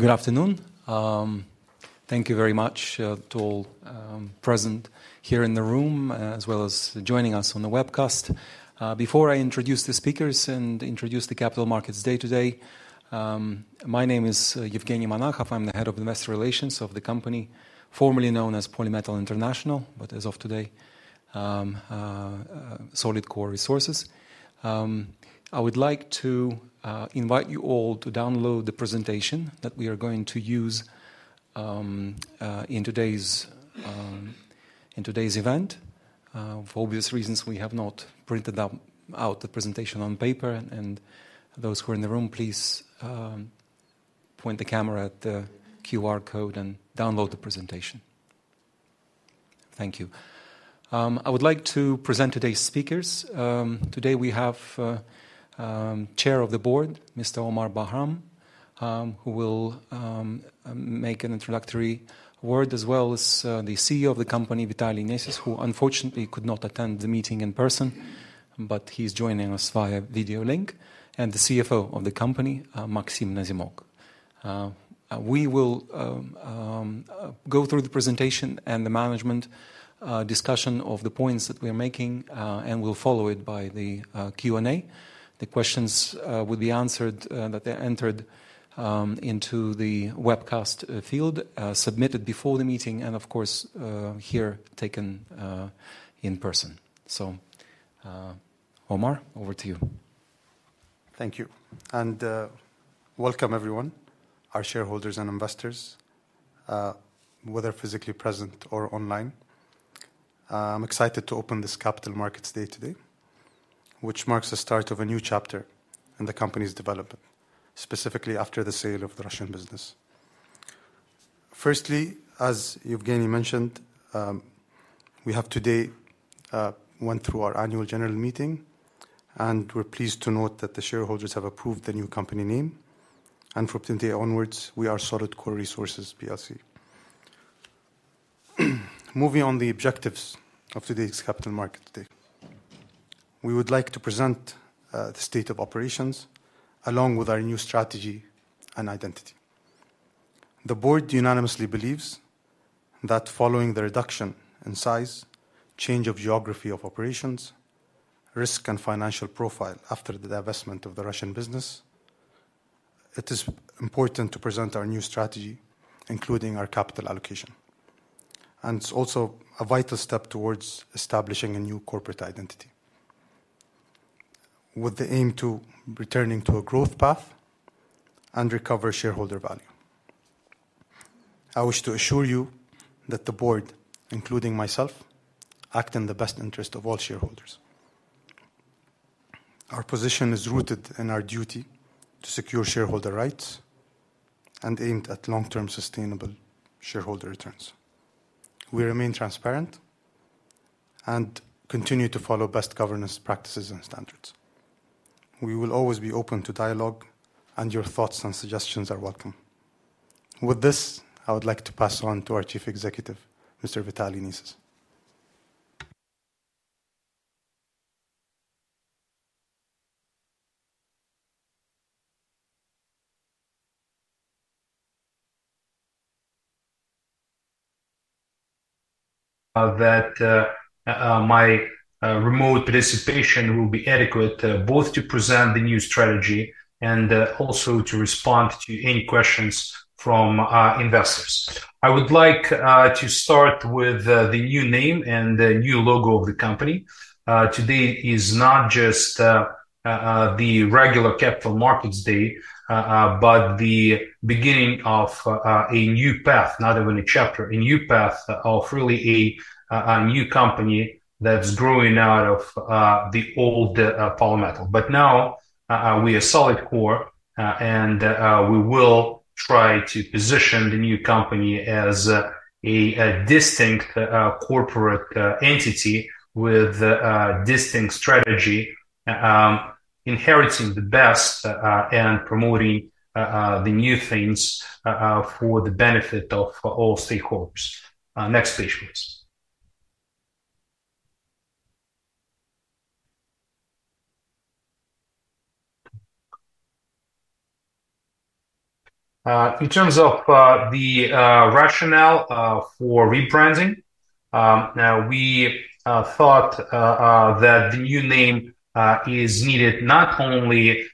Good afternoon. Thank you very much to all present here in the room, as well as joining us on the webcast. Before I introduce the speakers and introduce the Capital Markets Day today, my name is Evgeny Monakhov. I'm the head of investor relations of the company formerly known as Polymetal International, but as of today, Solidcore Resources. I would like to invite you all to download the presentation that we are going to use in today's event. For obvious reasons, we have not printed out the presentation on paper, and those who are in the room, please, point the camera at the QR code and download the presentation. Thank you. I would like to present today's speakers. Today we have Chair of the Board, Mr. Omar Bahram, who will make an introductory word, as well as, the CEO of the company, Vitaly Nesis, who unfortunately could not attend the meeting in person, but he's joining us via video link, and the CFO of the company, Maxim Nazimok. We will go through the presentation and the management discussion of the points that we are making, and we'll follow it by the Q&A. The questions will be answered that are entered into the webcast field, submitted before the meeting and of course, here taken in person. So, Omar, over to you. Thank you, and welcome everyone, our shareholders and investors, whether physically present or online. I'm excited to open this Capital Markets Day today, which marks the start of a new chapter in the company's development, specifically after the sale of the Russian business. Firstly, as Evgeny mentioned, we have today went through our annual general meeting, and we're pleased to note that the shareholders have approved the new company name, and from today onwards, we are Solidcore Resources plc. Moving on the objectives of today's Capital Market Day, we would like to present the state of operations along with our new strategy and identity. The board unanimously believes that following the reduction in size, change of geography of operations, risk and financial profile after the divestment of the Russian business, it is important to present our new strategy, including our capital allocation. It's also a vital step towards establishing a new corporate identity, with the aim to returning to a growth path and recover shareholder value. I wish to assure you that the board, including myself, act in the best interest of all shareholders. Our position is rooted in our duty to secure shareholder rights and aimed at long-term sustainable shareholder returns. We remain transparent and continue to follow best governance practices and standards. We will always be open to dialogue, and your thoughts and suggestions are welcome. With this, I would like to pass on to our Chief Executive, Mr. Vitaly Nesis.... that my remote participation will be adequate, both to present the new strategy and also to respond to any questions from our investors. I would like to start with the new name and the new logo of the company. Today is not just the regular Capital Markets Day, but the beginning of a new path, not even a chapter, a new path of really a new company that's growing out of the old Polymetal. But now we are Solidcore, and we will try to position the new company as a distinct corporate entity with a distinct strategy, inheriting the best and promoting the new things for the benefit of all stakeholders. Next page, please. In terms of the rationale for rebranding, now we thought that the new name is needed not only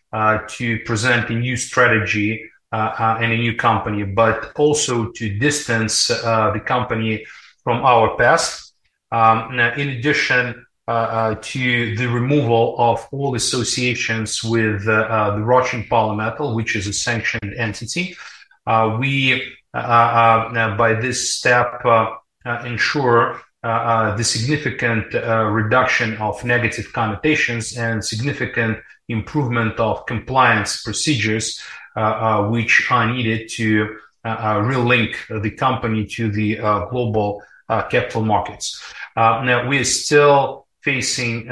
to present a new strategy and a new company, but also to distance the company from our past. In addition to the removal of all associations with the Russian Polymetal, which is a sanctioned entity, we by this step ensure the significant reduction of negative connotations and significant improvement of compliance procedures, which are needed to relink the company to the global capital markets. Now, we're still facing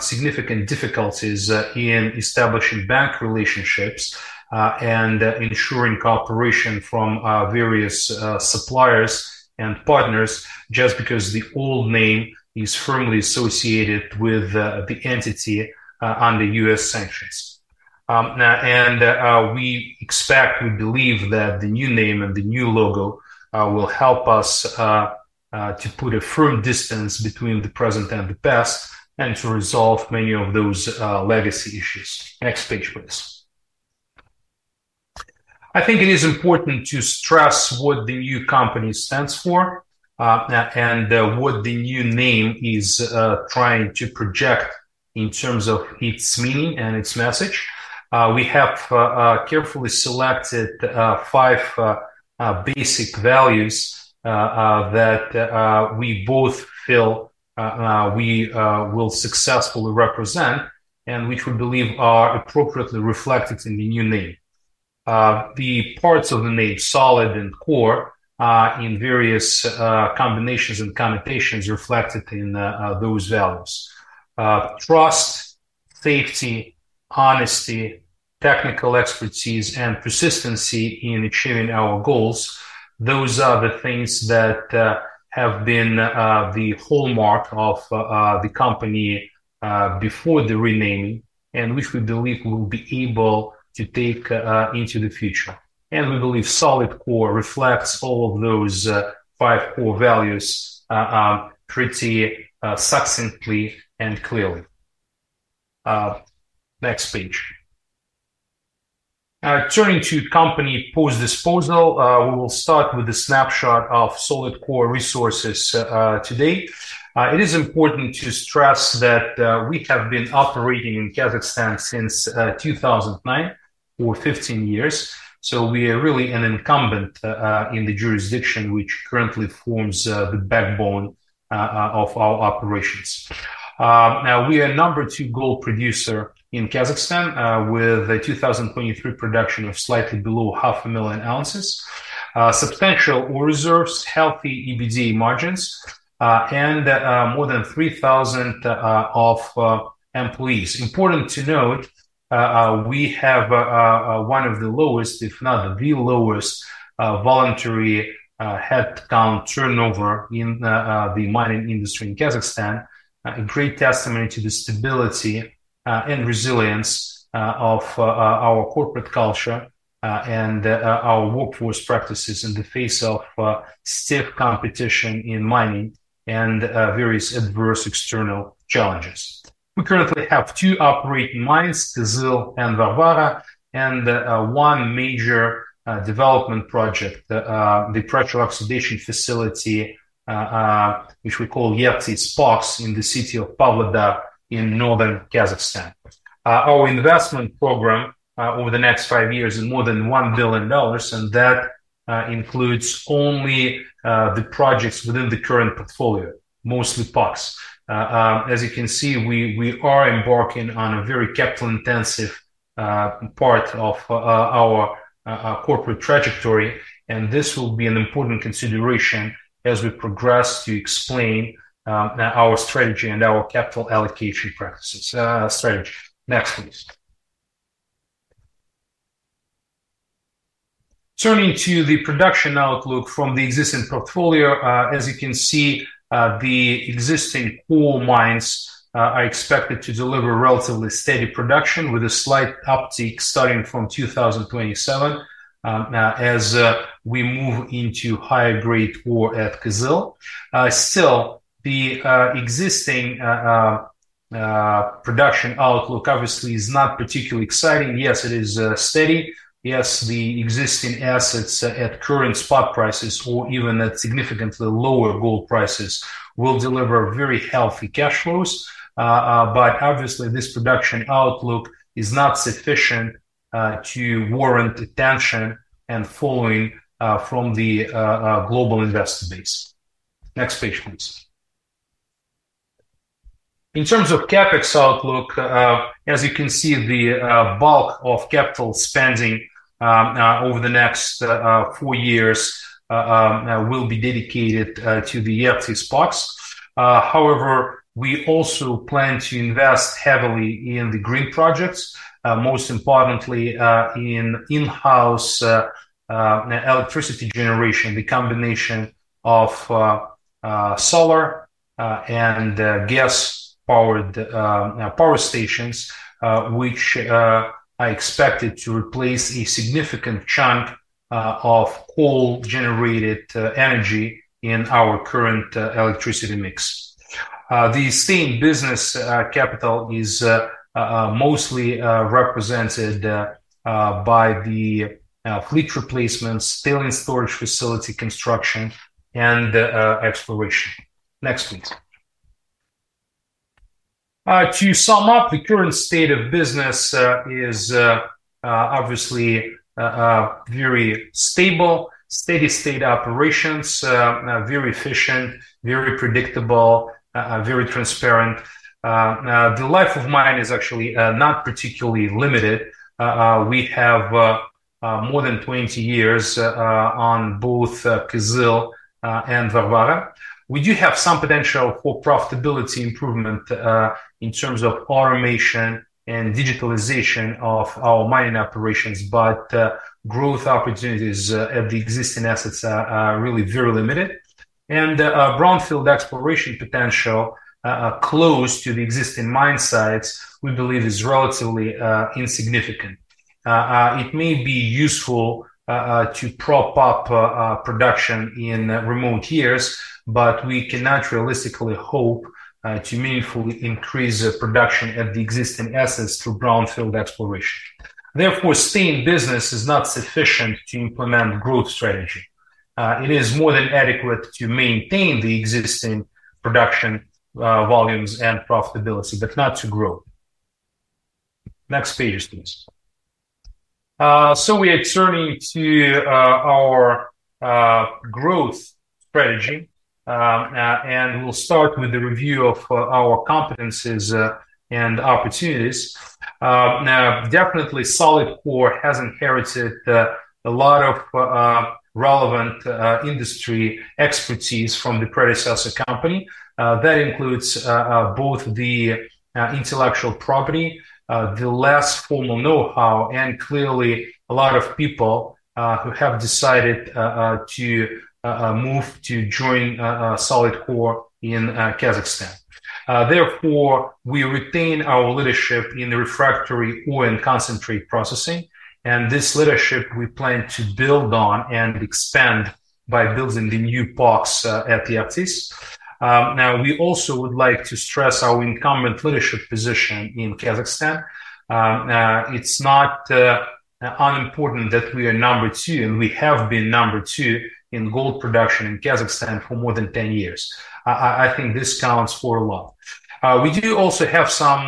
significant difficulties in establishing bank relationships and ensuring cooperation from various suppliers and partners, just because the old name is firmly associated with the entity under U.S. sanctions. Now, we expect, we believe that the new name and the new logo will help us to put a firm distance between the present and the past, and to resolve many of those legacy issues. Next page, please. I think it is important to stress what the new company stands for, and what the new name is trying to project in terms of its meaning and its message. We have carefully selected five basic values that we both feel we will successfully represent, and which we believe are appropriately reflected in the new name. The parts of the name, Solid and Core, are in various combinations and connotations reflected in those values. Trust, safety, honesty, technical expertise, and persistency in achieving our goals, those are the things that have been the hallmark of the company before the renaming, and which we believe we'll be able to take into the future. We believe Solidcore reflects all of those five core values pretty succinctly and clearly. Next page. Turning to company post-disposal, we will start with a snapshot of Solidcore Resources today. It is important to stress that we have been operating in Kazakhstan since 2009, over 15 years, so we are really an incumbent in the jurisdiction, which currently forms the backbone of our operations. Now, we are number two gold producer in Kazakhstan, with a 2023 production of slightly below 500,000 ounces. Substantial ore reserves, healthy EBITDA margins, and more than 3,000 employees. Important to note, we have one of the lowest, if not the lowest, voluntary headcount turnover in the mining industry in Kazakhstan. A great testament to the stability and resilience of our corporate culture and our workforce practices in the face of stiff competition in mining and various adverse external challenges. We currently have two operating mines, Kyzyl and Varvara, and one major development project, the pressure oxidation facility, which we call Ertis POX, in the city of Pavlodar in northern Kazakhstan. Our investment program over the next five years is more than $1 billion, and that includes only the projects within the current portfolio, mostly POX. As you can see, we are embarking on a very capital-intensive part of our corporate trajectory, and this will be an important consideration as we progress to explain our strategy and our capital allocation practices. Next, please. Turning to the production outlook from the existing portfolio, as you can see, the existing ore mines are expected to deliver relatively steady production with a slight uptick starting from 2027, as we move into higher grade ore at Kyzyl. Still, the existing production outlook obviously is not particularly exciting. Yes, it is steady. Yes, the existing assets at current spot prices or even at significantly lower gold prices, will deliver very healthy cash flows. But obviously, this production outlook is not sufficient to warrant attention and following from the global investor base. Next page, please. In terms of CapEx outlook, as you can see, the bulk of capital spending over the next four years will be dedicated to the Ertis POX. However, we also plan to invest heavily in the green projects, most importantly, in-house electricity generation. The combination of solar and gas-powered power stations, which are expected to replace a significant chunk of coal-generated energy in our current electricity mix. The same business capital is mostly represented by the fleet replacements, tailings storage facility construction, and exploration. Next, please. To sum up, the current state of business is obviously very stable. Steady state operations, very efficient, very predictable, very transparent. The life of mine is actually not particularly limited. We have more than 20 years on both Kyzyl and Varvara. We do have some potential for profitability improvement in terms of automation and digitalization of our mining operations, but growth opportunities at the existing assets are really very limited. Brownfield exploration potential close to the existing mine sites, we believe, is relatively insignificant. It may be useful to prop up production in remote years, but we cannot realistically hope to meaningfully increase the production at the existing assets through brownfield exploration. Therefore, staying in business is not sufficient to implement growth strategy. It is more than adequate to maintain the existing production volumes and profitability, but not to grow. Next page, please. We are turning to our growth strategy and we'll start with the review of our competencies and opportunities. Now, definitely, Solidcore has inherited a lot of relevant industry expertise from the predecessor company. That includes both the intellectual property, the less formal know-how, and clearly a lot of people who have decided to move to join Solidcore in Kazakhstan. Therefore, we retain our leadership in the refractory ore and concentrate processing, and this leadership we plan to build on and expand by building the new POX at the Aktogay. Now we also would like to stress our incumbent leadership position in Kazakhstan. It's not unimportant that we are number two, and we have been number two in gold production in Kazakhstan for more than 10 years. I think this counts for a lot. We do also have some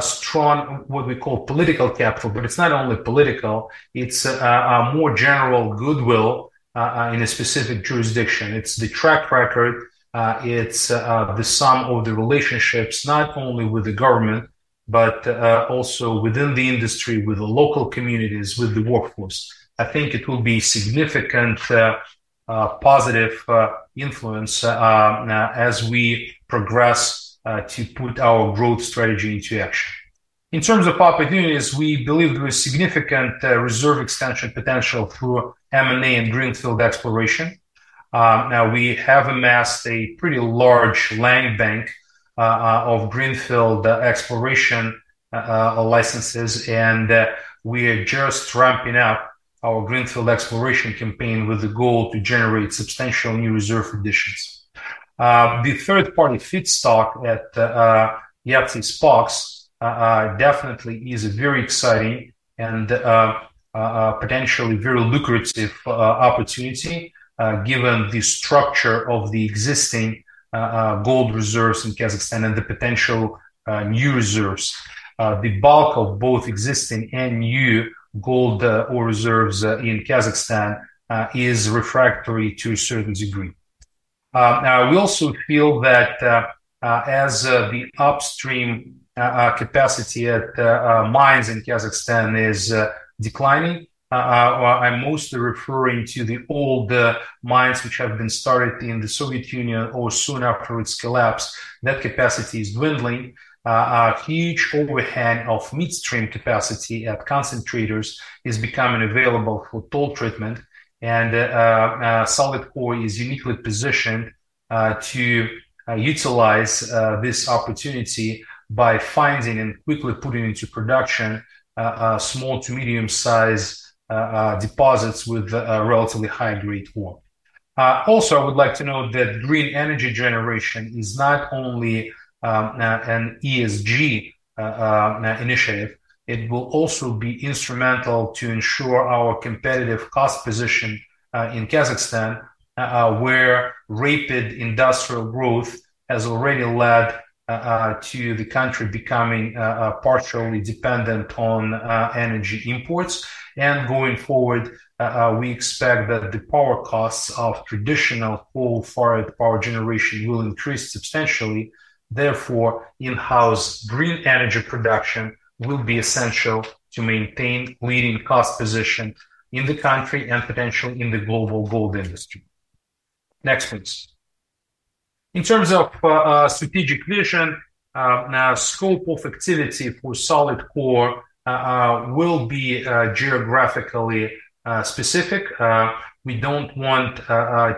strong, what we call political capital, but it's not only political, it's a more general goodwill in a specific jurisdiction. It's the track record, it's the sum of the relationships, not only with the government, but also within the industry, with the local communities, with the workforce. I think it will be significant positive influence as we progress to put our growth strategy into action. In terms of opportunities, we believe there is significant reserve expansion potential through M&A and greenfield exploration. Now we have amassed a pretty large land bank of greenfield exploration licenses, and we are just ramping up our greenfield exploration campaign with the goal to generate substantial new reserve additions. The third-party feedstock at the Aktogay POX definitely is a very exciting and potentially very lucrative opportunity, given the structure of the existing gold reserves in Kazakhstan and the potential new reserves. The bulk of both existing and new gold ore reserves in Kazakhstan is refractory to a certain degree. Now, we also feel that as the upstream capacity at mines in Kazakhstan is declining, I'm mostly referring to the old mines which have been started in the Soviet Union or soon after its collapse, that capacity is dwindling. A huge overhang of midstream capacity at concentrators is becoming available for toll treatment, and Solidcore is uniquely positioned to utilize this opportunity by finding and quickly putting into production small to medium-size deposits with a relatively high-grade ore. Also, I would like to note that green energy generation is not only an ESG initiative, it will also be instrumental to ensure our competitive cost position in Kazakhstan, where rapid industrial growth has already led to the country becoming partially dependent on energy imports. Going forward, we expect that the power costs of traditional coal-fired power generation will increase substantially. Therefore, in-house green energy production will be essential to maintain leading cost position in the country and potentially in the global gold industry. Next, please. In terms of strategic vision, our scope of activity for Solidcore will be geographically specific. We don't want to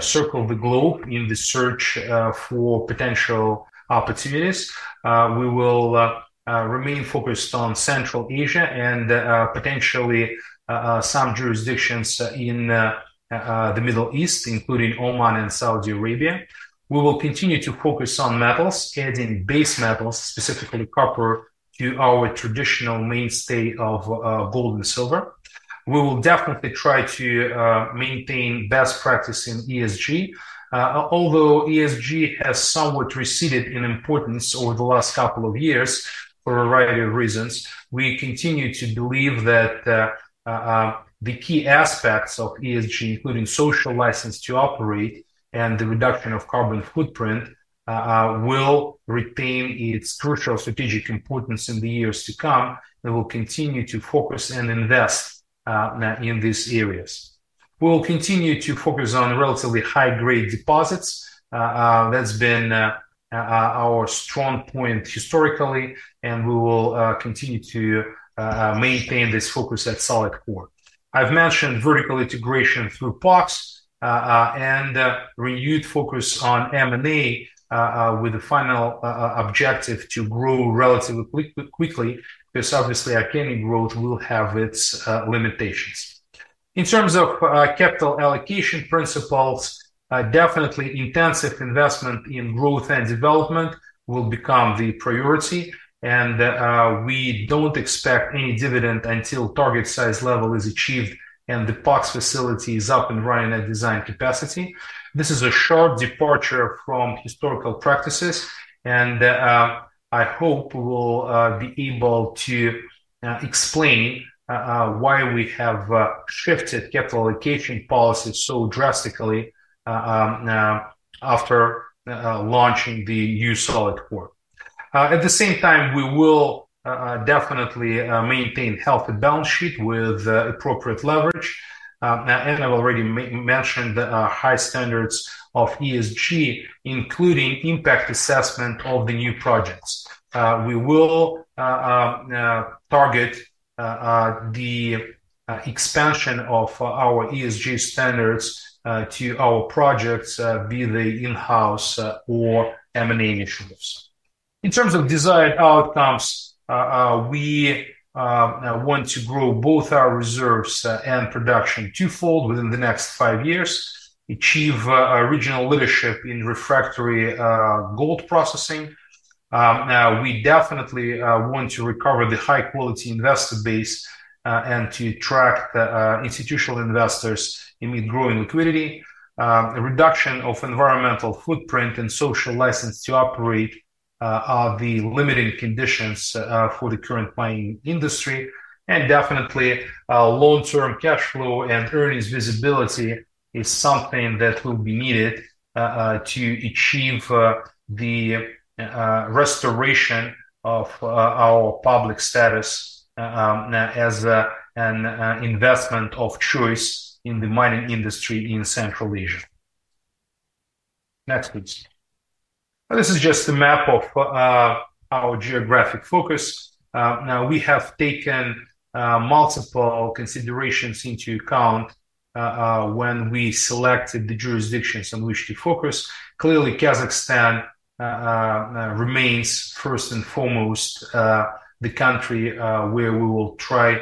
circle the globe in the search for potential opportunities. We will remain focused on Central Asia and potentially some jurisdictions in the Middle East, including Oman and Saudi Arabia. We will continue to focus on metals, adding base metals, specifically copper, to our traditional mainstay of gold and silver. We will definitely try to maintain best practice in ESG. Although ESG has somewhat receded in importance over the last couple of years for a variety of reasons, we continue to believe that the key aspects of ESG, including social license to operate and the reduction of carbon footprint, will retain its crucial strategic importance in the years to come, and we'll continue to focus and invest in these areas. We will continue to focus on relatively high-grade deposits. That's been our strong point historically, and we will continue to maintain this focus at Solidcore.... I've mentioned vertical integration through POX, and renewed focus on M&A, with the final objective to grow relatively quick, quickly, because obviously, organic growth will have its limitations. In terms of capital allocation principles, definitely intensive investment in growth and development will become the priority, and we don't expect any dividend until target size level is achieved and the POX facility is up and running at design capacity. This is a short departure from historical practices, and I hope we'll be able to explain why we have shifted capital allocation policy so drastically, after launching the new Solidcore. At the same time, we will definitely maintain healthy balance sheet with appropriate leverage. And I've already mentioned the high standards of ESG, including impact assessment of the new projects. We will target the expansion of our ESG standards to our projects, be they in-house or M&A initiatives. In terms of desired outcomes, we want to grow both our reserves and production twofold within the next five years, achieve regional leadership in refractory gold processing. We definitely want to recover the high-quality investor base and to attract institutional investors amid growing liquidity. A reduction of environmental footprint and social license to operate are the limiting conditions for the current mining industry. And definitely, long-term cash flow and earnings visibility is something that will be needed to achieve the restoration of our public status as an investment of choice in the mining industry in Central Asia. Next, please. This is just a map of our geographic focus. We have taken multiple considerations into account when we selected the jurisdictions on which to focus. Clearly, Kazakhstan remains first and foremost the country where we will try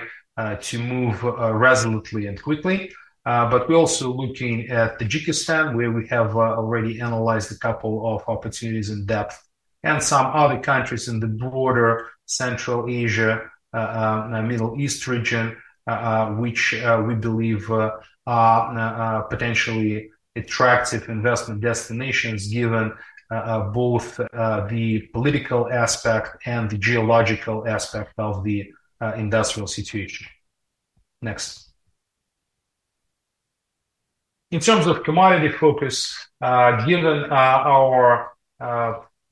to move resolutely and quickly. But we're also looking at Tajikistan, where we have already analyzed a couple of opportunities in depth, and some other countries in the broader Central Asia, Middle East region which we believe are potentially attractive investment destinations, given both the political aspect and the geological aspect of the industrial situation. Next. In terms of commodity focus, given our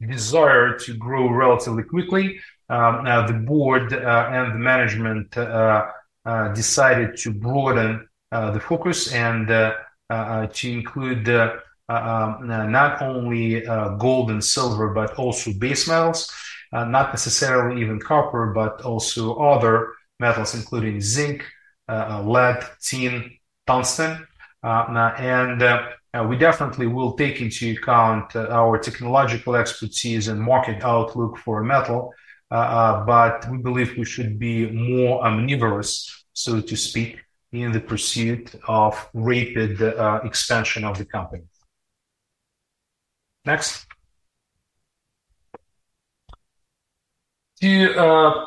desire to grow relatively quickly, the board and the management decided to broaden the focus and to include not only gold and silver, but also base metals, not necessarily even copper, but also other metals, including zinc, lead, tin, tungsten. And we definitely will take into account our technological expertise and market outlook for metal, but we believe we should be more omnivorous, so to speak, in the pursuit of rapid expansion of the company. Next. To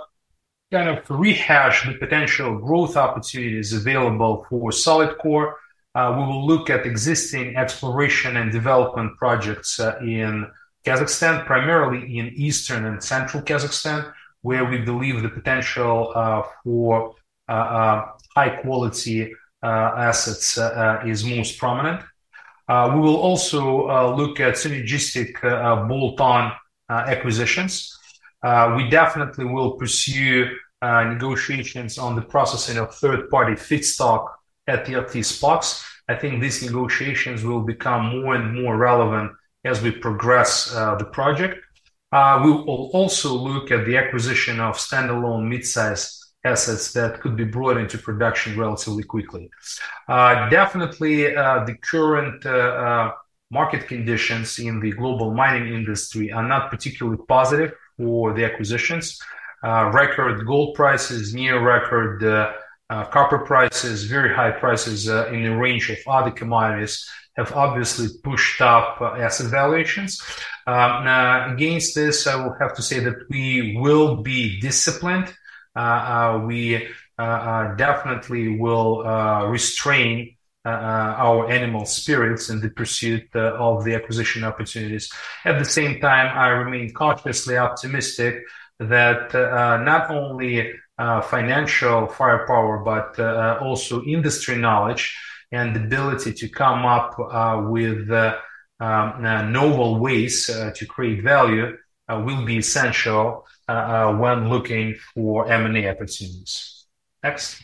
kind of rehash the potential growth opportunities available for Solidcore, we will look at existing exploration and development projects in Kazakhstan, primarily in Eastern and Central Kazakhstan, where we believe the potential for high quality assets is most prominent. We will also look at synergistic bolt-on acquisitions. We definitely will pursue negotiations on the processing of third-party feedstock at the Ertis POX. I think these negotiations will become more and more relevant as we progress the project. We will also look at the acquisition of standalone mid-size assets that could be brought into production relatively quickly. Definitely, the current market conditions in the global mining industry are not particularly positive for the acquisitions. Record gold prices, near record copper prices, very high prices in a range of other commodities have obviously pushed up asset valuations. Against this, I will have to say that we will be disciplined. We definitely will restrain our animal spirits in the pursuit of the acquisition opportunities. At the same time, I remain cautiously optimistic that not only financial firepower, but also industry knowledge and the ability to come up with novel ways to create value will be essential when looking for M&A opportunities. Next?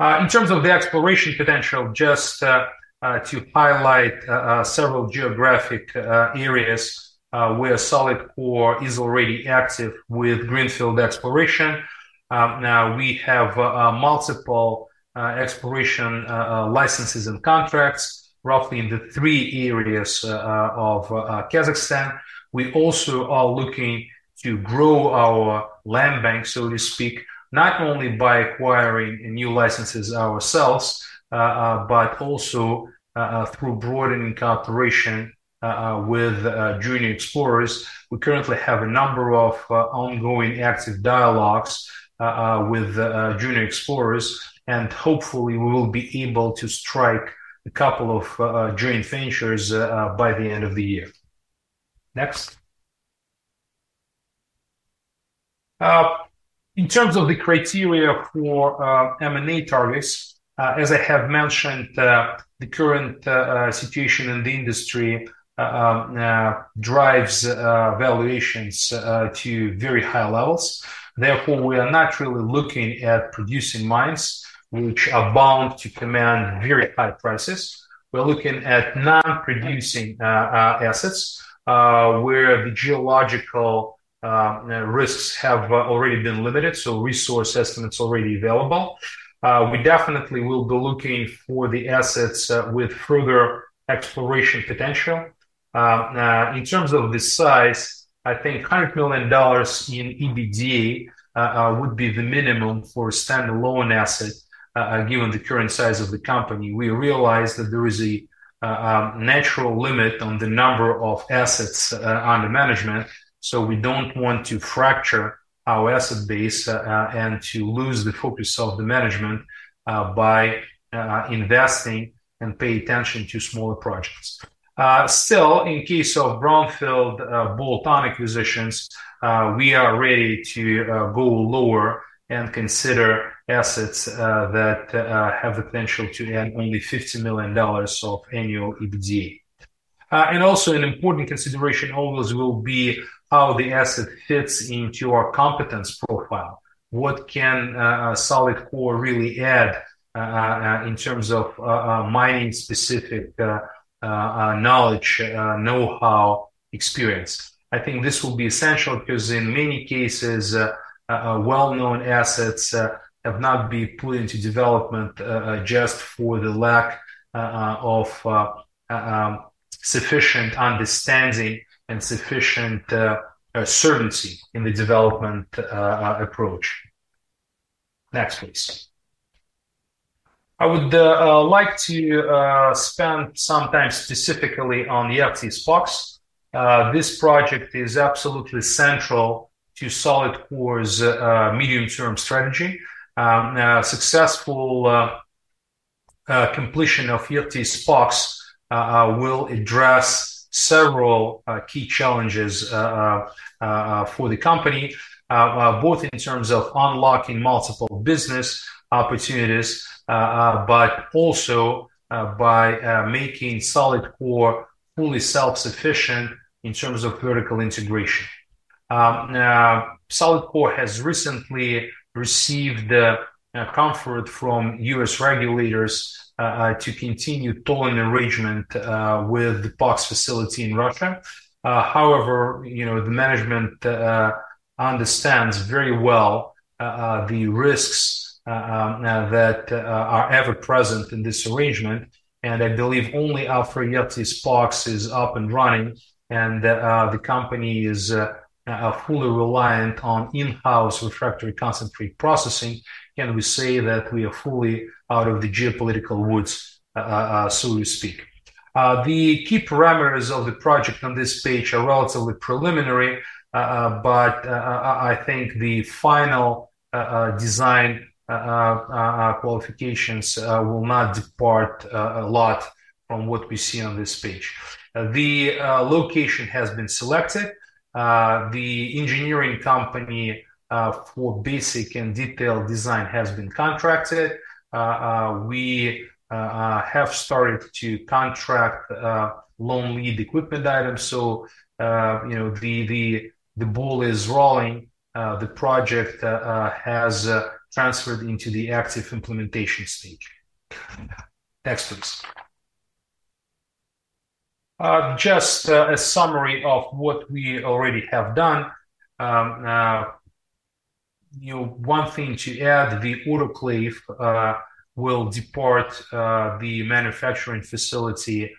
In terms of the exploration potential, just to highlight several geographic areas where Solidcore is already active with greenfield exploration. Now we have multiple exploration licenses and contracts, roughly in the three areas of Kazakhstan. We also are looking to grow our land bank, so to speak, not only by acquiring new licenses ourselves, but also through broadening cooperation with junior explorers. We currently have a number of ongoing active dialogues with junior explorers, and hopefully we will be able to strike a couple of joint ventures by the end of the year. Next. In terms of the criteria for M&A targets, as I have mentioned, the current situation in the industry drives valuations to very high levels. Therefore, we are not really looking at producing mines, which are bound to command very high prices. We're looking at non-producing assets, where the geological risks have already been limited, so resource estimates already available. We definitely will be looking for the assets with further exploration potential. In terms of the size, I think $100 million in EBITDA would be the minimum for a standalone asset, given the current size of the company. We realize that there is a natural limit on the number of assets under management, so we don't want to fracture our asset base and to lose the focus of the management by investing and pay attention to smaller projects. Still, in case of brownfield bolt-on acquisitions, we are ready to go lower and consider assets that have the potential to add only $50 million of annual EBITDA. And also an important consideration always will be how the asset fits into our competence profile. What can Solidcore really add in terms of mining-specific knowledge, know-how experience? I think this will be essential because in many cases well-known assets have not been put into development just for the lack of sufficient understanding and sufficient uncertainty in the development approach. Next, please. I would like to spend some time specifically on the Ertis POX. This project is absolutely central to Solidcore's medium-term strategy. Successful completion of Ertis POX will address several key challenges for the company both in terms of unlocking multiple business opportunities but also by making Solidcore fully self-sufficient in terms of vertical integration. Solidcore has recently received the comfort from U.S. regulators to continue tolling arrangement with the POX facility in Russia. However, you know, the management understands very well the risks that are ever present in this arrangement, and I believe only after Ertis POX is up and running, and the company is fully reliant on in-house refractory concentrate processing, can we say that we are fully out of the geopolitical woods, so to speak. The key parameters of the project on this page are relatively preliminary, but I think the final design qualifications will not depart a lot from what we see on this page. The location has been selected. The engineering company for basic and detailed design has been contracted. We have started to contract long lead equipment items. So, you know, the ball is rolling. The project has transferred into the active implementation stage. Next, please. Just a summary of what we already have done. You know, one thing to add, the autoclave will depart the manufacturing facility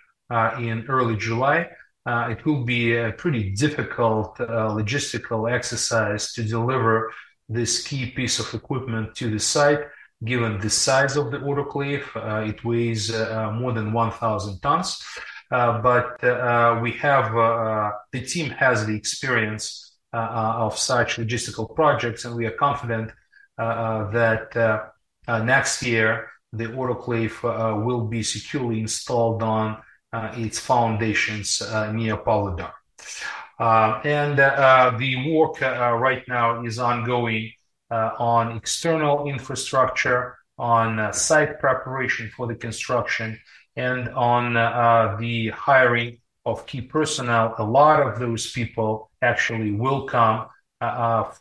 in early July. It will be a pretty difficult logistical exercise to deliver this key piece of equipment to the site, given the size of the autoclave. It weighs more than 1,000 tons. But the team has the experience of such logistical projects, and we are confident that next year, the autoclave will be securely installed on its foundations near Pavlodar. The work right now is ongoing on external infrastructure, on site preparation for the construction, and on the hiring of key personnel. A lot of those people actually will come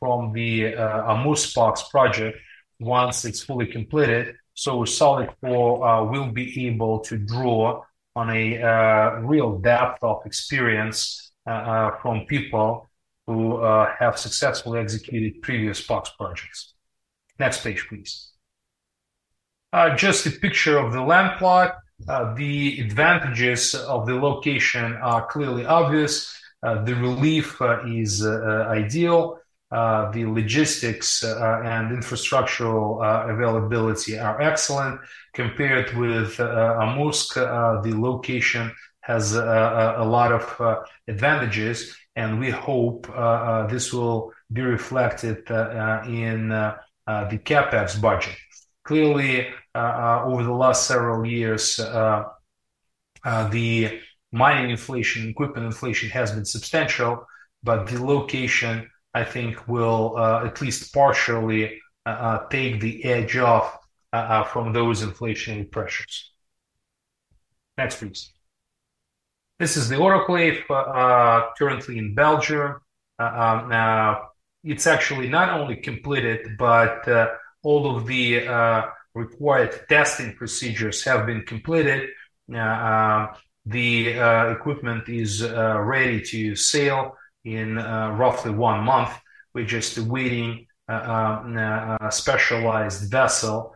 from the Amursk POX project once it is fully completed. So Solidcore will be able to draw on a real depth of experience from people who have successfully executed previous POX projects. Next page, please. Just a picture of the land plot. The advantages of the location are clearly obvious. The relief is ideal. The logistics and infrastructural availability are excellent. Compared with Amursk, the location has a lot of advantages, and we hope this will be reflected in the CapEx budget. Clearly, over the last several years, the mining inflation, equipment inflation has been substantial, but the location, I think, will at least partially take the edge off from those inflationary pressures. Next, please. This is the autoclave currently in Belgium. It's actually not only completed, but all of the required testing procedures have been completed. The equipment is ready to sail in roughly one month. We're just waiting a specialized vessel,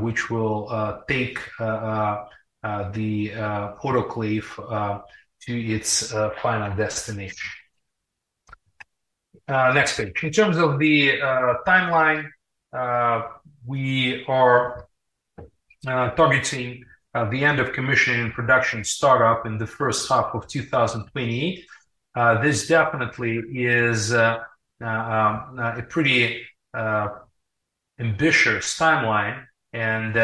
which will take the autoclave to its final destination. Next page. In terms of the timeline, we are targeting the end of commissioning and production startup in the first half of 2028. This definitely is a pretty ambitious timeline, and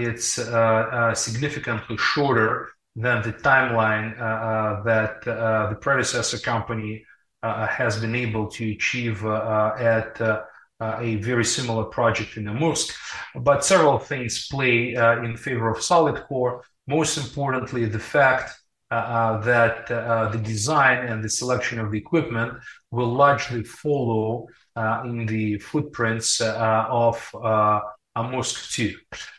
it's significantly shorter than the timeline that the predecessor company has been able to achieve at a very similar project in Amursk. But several things play in favor of Solidcore. Most importantly, the fact that the design and the selection of the equipment will largely follow in the footprints of Amursk 2.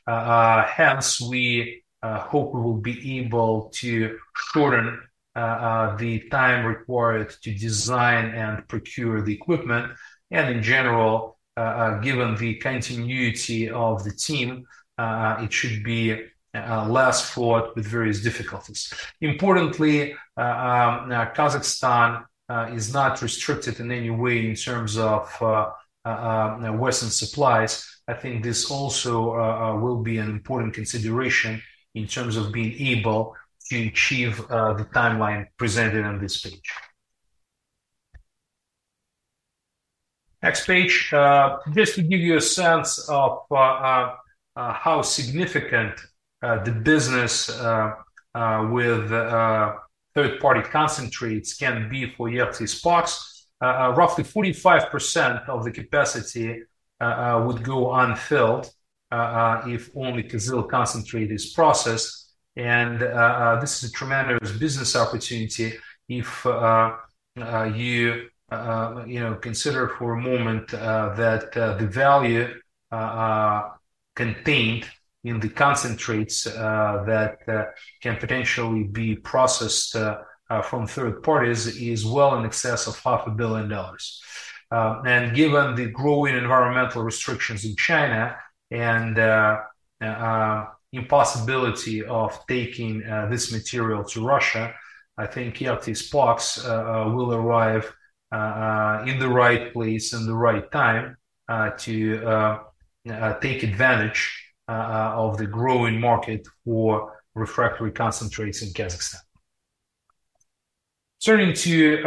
Hence, we hope we will be able to shorten the time required to design and procure the equipment, and in general, given the continuity of the team, it should be less flawed with various difficulties. Importantly, Kazakhstan is not restricted in any way in terms of Western supplies. I think this also will be an important consideration in terms of being able to achieve the timeline presented on this page. Next page. Just to give you a sense of how significant the business with third-party concentrates can be for Ertis POX. Roughly 45% of the capacity would go unfilled if only KAZ Minerals concentrate is processed, and this is a tremendous business opportunity if you know, consider for a moment that the value contained in the concentrates that can potentially be processed from third parties is well in excess of $500 million. And given the growing environmental restrictions in China and impossibility of taking this material to Russia, I think Ertis POX will arrive in the right place, in the right time to take advantage of the growing market for refractory concentrates in Kazakhstan. Turning to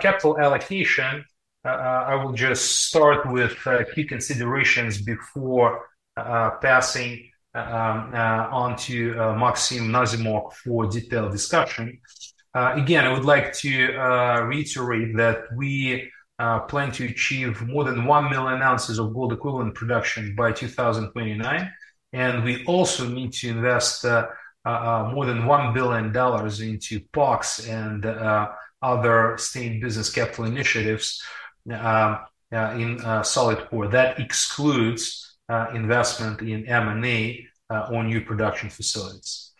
capital allocation, I will just start with a few considerations before passing on to Maxim Nazimok for a detailed discussion. Again, I would like to reiterate that we plan to achieve more than 1 million ounces of gold-equivalent production by 2029, and we also need to invest more than $1 billion into POX and other sustainable business capital initiatives in Solidcore. That excludes investment in M&A or new production facilities.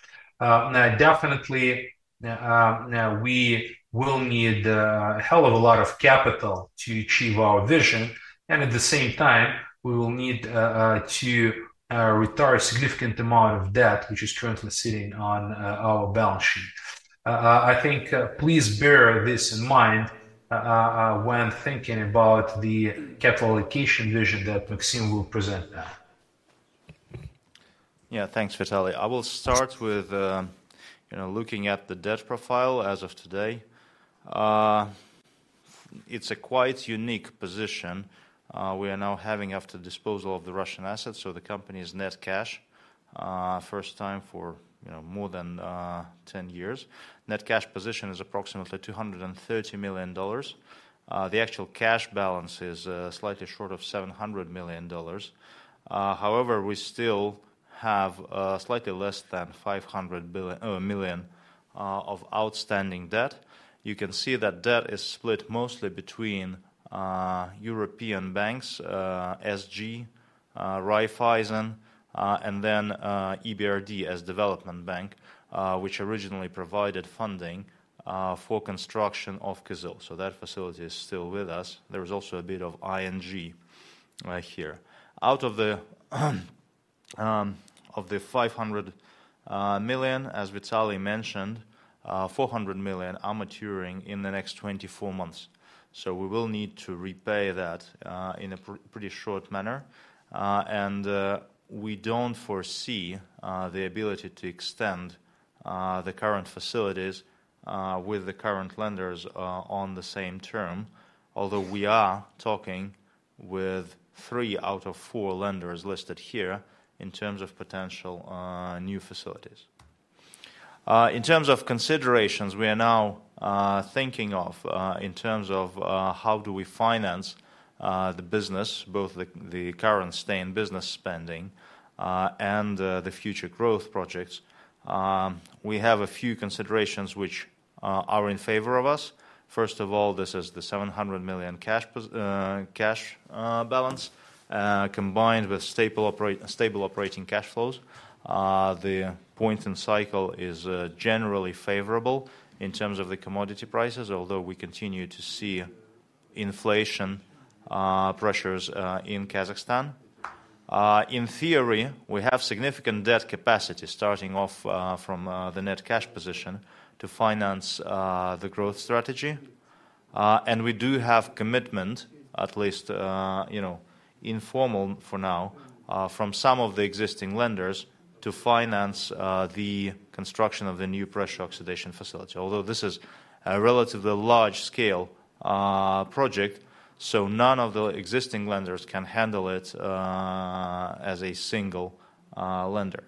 Now, definitely, we will need a hell of a lot of capital to achieve our vision, and at the same time, we will need to retire a significant amount of debt, which is currently sitting on our balance sheet. I think, please bear this in mind when thinking about the capital allocation vision that Maxim will present now. Yeah. Thanks, Vitaly. I will start with, you know, looking at the debt profile as of today.... It's a quite unique position, we are now having after disposal of the Russian assets, so the company's net cash, first time for, you know, more than 10 years. Net cash position is approximately $230 million. The actual cash balance is slightly short of $700 million. However, we still have slightly less than $500 million of outstanding debt. You can see that debt is split mostly between European banks, SG, Raiffeisen, and then EBRD as development bank, which originally provided funding for construction of Kyzyl. So that facility is still with us. There is also a bit of ING here. Out of the $500 million, as Vitaly mentioned, $400 million are maturing in the next 24 months. So we will need to repay that in a pretty short manner. And we don't foresee the ability to extend the current facilities with the current lenders on the same term, although we are talking with three out of four lenders listed here in terms of potential new facilities. In terms of considerations, we are now thinking of in terms of how do we finance the business, both the current stay in business spending and the future growth projects. We have a few considerations which are in favor of us. First of all, this is the $700 million cash balance combined with stable operating cash flows. The point in cycle is generally favorable in terms of the commodity prices, although we continue to see inflation pressures in Kazakhstan. In theory, we have significant debt capacity starting off from the net cash position to finance the growth strategy. We do have commitment, at least, you know, informal for now, from some of the existing lenders to finance the construction of the new pressure oxidation facility. Although this is a relatively large scale project, so none of the existing lenders can handle it as a single lender.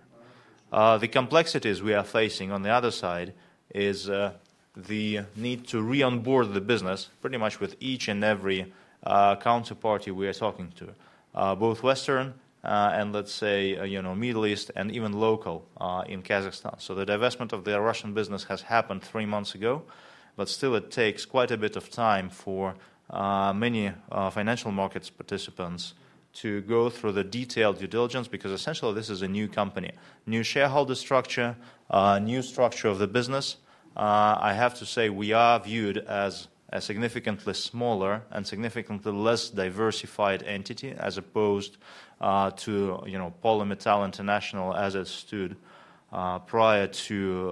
The complexities we are facing on the other side is the need to re-onboard the business pretty much with each and every counterparty we are talking to both Western and let's say, you know, Middle East and even local in Kazakhstan. So the divestment of the Russian business has happened three months ago, but still it takes quite a bit of time for many financial markets participants to go through the detailed due diligence, because essentially, this is a new company, new shareholder structure, new structure of the business. I have to say, we are viewed as a significantly smaller and significantly less diversified entity, as opposed to, you know, Polymetal International as it stood prior to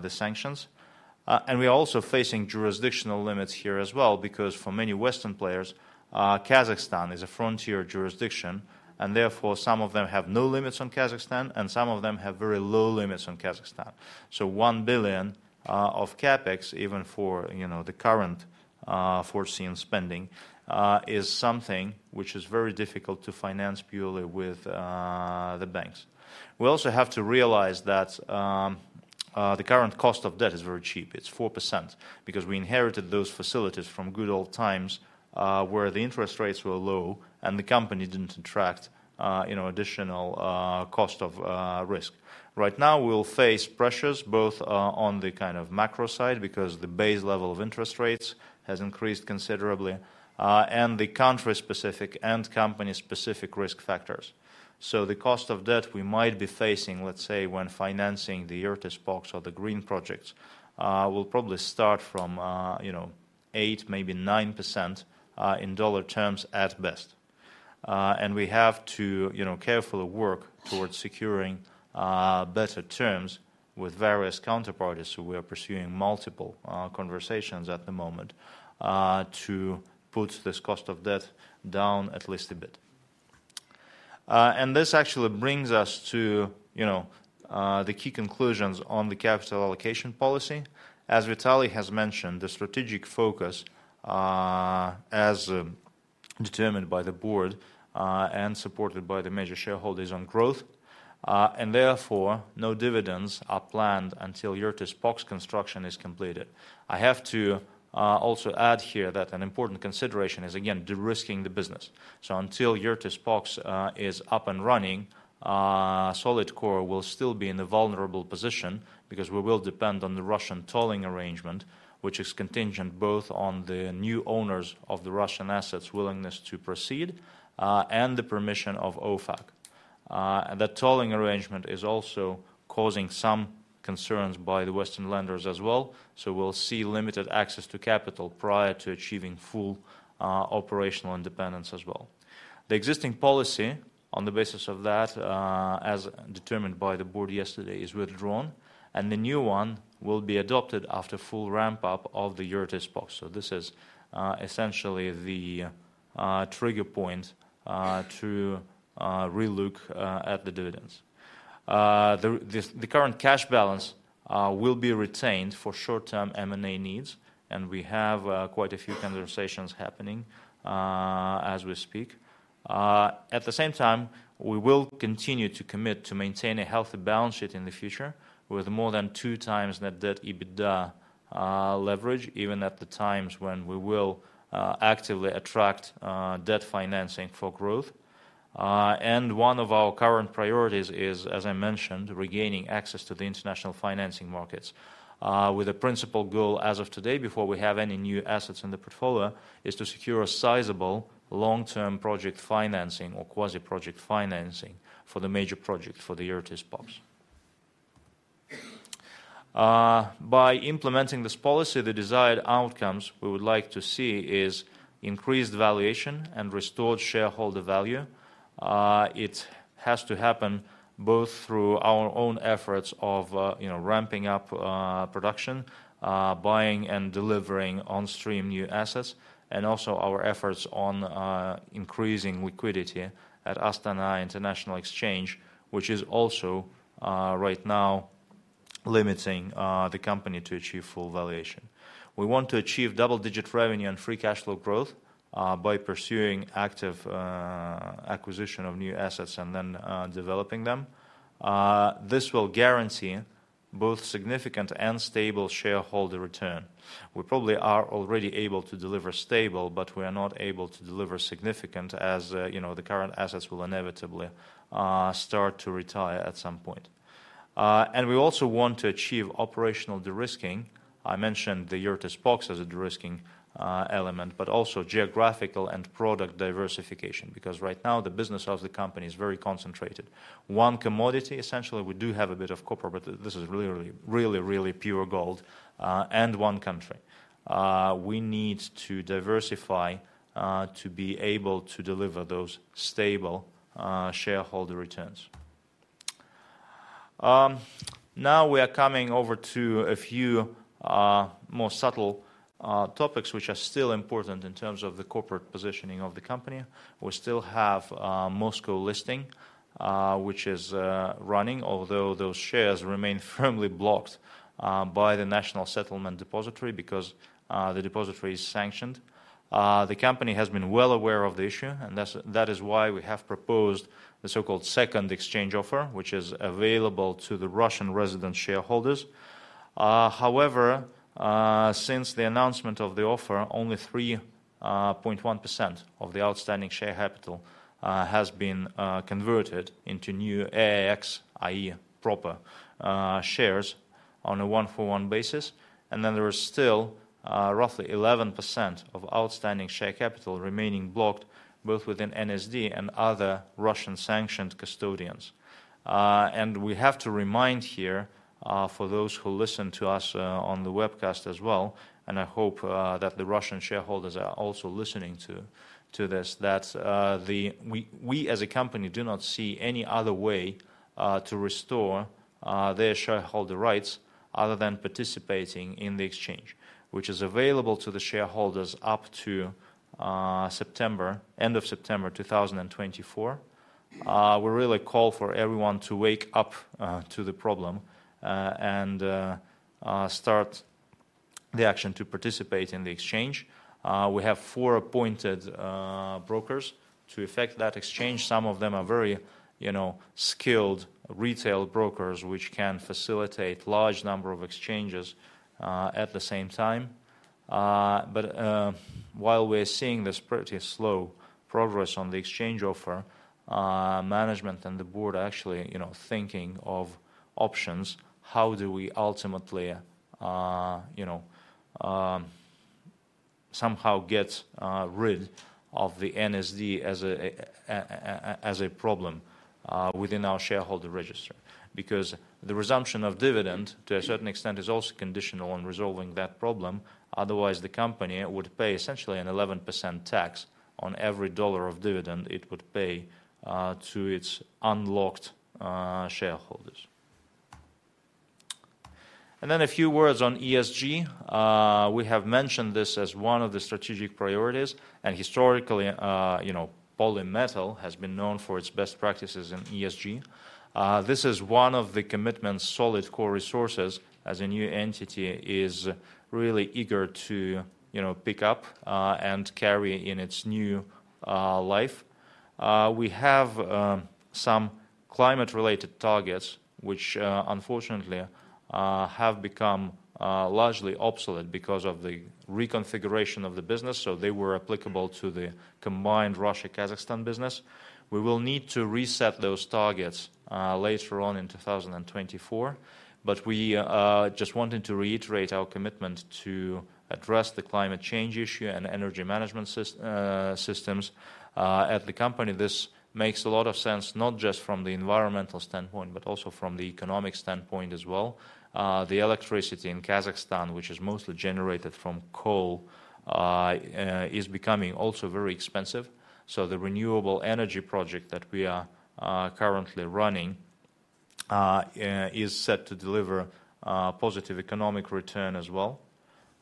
the sanctions. We are also facing jurisdictional limits here as well, because for many Western players, Kazakhstan is a frontier jurisdiction, and therefore, some of them have no limits on Kazakhstan, and some of them have very low limits on Kazakhstan. So $1 billion of CapEx, even for, you know, the current, foreseen spending, is something which is very difficult to finance purely with, the banks. We also have to realize that, the current cost of debt is very cheap. It's 4%, because we inherited those facilities from good old times, where the interest rates were low and the company didn't attract, you know, additional, cost of, risk. Right now, we'll face pressures both, on the kind of macro side, because the base level of interest rates has increased considerably, and the country-specific and company-specific risk factors. So the cost of debt we might be facing, let's say, when financing the Ertis POX or the green projects, will probably start from, you know, 8, maybe 9%, in dollar terms at best. And we have to, you know, carefully work towards securing, better terms with various counterparties, so we are pursuing multiple, conversations at the moment, to put this cost of debt down at least a bit. And this actually brings us to, you know, the key conclusions on the capital allocation policy. As Vitaly has mentioned, the strategic focus as determined by the board and supported by the major shareholders on growth, and therefore, no dividends are planned until Ertis POX construction is completed. I have to also add here that an important consideration is, again, de-risking the business. So until Ertis POX is up and running, Solidcore will still be in a vulnerable position because we will depend on the Russian tolling arrangement, which is contingent both on the new owners of the Russian assets' willingness to proceed, and the permission of OFAC. That tolling arrangement is also causing some concerns by the Western lenders as well, so we'll see limited access to capital prior to achieving full, operational independence as well. The existing policy on the basis of that, as determined by the board yesterday, is withdrawn, and the new one will be adopted after full ramp-up of the Ertis POX. So this is essentially the trigger point to re-look at the dividends. The current cash balance will be retained for short-term M&A needs, and we have quite a few conversations happening, as we speak. At the same time, we will continue to commit to maintain a healthy balance sheet in the future, with more than two times net debt EBITDA leverage, even at the times when we will actively attract debt financing for growth. One of our current priorities is, as I mentioned, regaining access to the international financing markets. With a principal goal as of today, before we have any new assets in the portfolio, is to secure a sizable long-term project financing or quasi-project financing for the major project for the Ertis POX. By implementing this policy, the desired outcomes we would like to see is increased valuation and restored shareholder value. It has to happen both through our own efforts of, you know, ramping up, production, buying and delivering on stream new assets, and also our efforts on, increasing liquidity at Astana International Exchange, which is also, right now limiting, the company to achieve full valuation. We want to achieve double-digit revenue and free cash flow growth, by pursuing active, acquisition of new assets and then, developing them. This will guarantee both significant and stable shareholder return. We probably are already able to deliver stable, but we are not able to deliver significant, as, you know, the current assets will inevitably start to retire at some point. And we also want to achieve operational de-risking. I mentioned the Ertis POX as a de-risking element, but also geographical and product diversification, because right now the business of the company is very concentrated. One commodity, essentially, we do have a bit of copper, but this is really, really, really, really pure gold, and one country. We need to diversify to be able to deliver those stable shareholder returns. Now we are coming over to a few more subtle topics, which are still important in terms of the corporate positioning of the company. We still have Moscow listing, which is running, although those shares remain firmly blocked by the National Settlement Depository because the depository is sanctioned. The company has been well aware of the issue, and that's, that is why we have proposed the so-called second exchange offer, which is available to the Russian resident shareholders. However, since the announcement of the offer, only 3.1% of the outstanding share capital has been converted into new AIX, i.e., proper shares on a one-for-one basis. And then there is still roughly 11% of outstanding share capital remaining blocked, both within NSD and other Russian sanctioned custodians. And we have to remind here, for those who listen to us on the webcast as well, and I hope that the Russian shareholders are also listening to this, that. We, as a company, do not see any other way to restore their shareholder rights other than participating in the exchange, which is available to the shareholders up to September, end of September 2024. We really call for everyone to wake up to the problem and start the action to participate in the exchange. We have four appointed brokers to effect that exchange. Some of them are very, you know, skilled retail brokers, which can facilitate large number of exchanges at the same time. But while we're seeing this pretty slow progress on the exchange offer, management and the board are actually, you know, thinking of options, how do we ultimately somehow get rid of the NSD as a problem within our shareholder register? Because the resumption of dividend, to a certain extent, is also conditional on resolving that problem. Otherwise, the company would pay essentially an 11% tax on every $1 of dividend it would pay to its unlocked shareholders. And then a few words on ESG. We have mentioned this as one of the strategic priorities, and historically, you know, Polymetal has been known for its best practices in ESG. This is one of the commitments Solidcore Resources, as a new entity, is really eager to, you know, pick up, and carry in its new life. We have some climate-related targets, which, unfortunately, have become largely obsolete because of the reconfiguration of the business, so they were applicable to the combined Russia-Kazakhstan business. We will need to reset those targets later on in 2024, but we are just wanting to reiterate our commitment to address the climate change issue and energy management systems at the company. This makes a lot of sense, not just from the environmental standpoint, but also from the economic standpoint as well. The electricity in Kazakhstan, which is mostly generated from coal, is becoming also very expensive. So the renewable energy project that we are currently running-... is set to deliver positive economic return as well.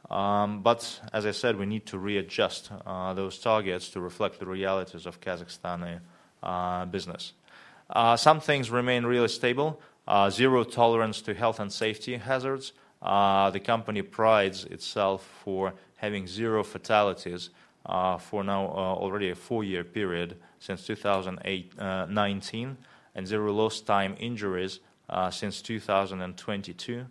But as I said, we need to readjust those targets to reflect the realities of Kazakhstani business. Some things remain really stable. Zero tolerance to health and safety hazards. The company prides itself for having zero fatalities for now, already a four-year period, since 2008-19, and zero lost time injuries since 2022.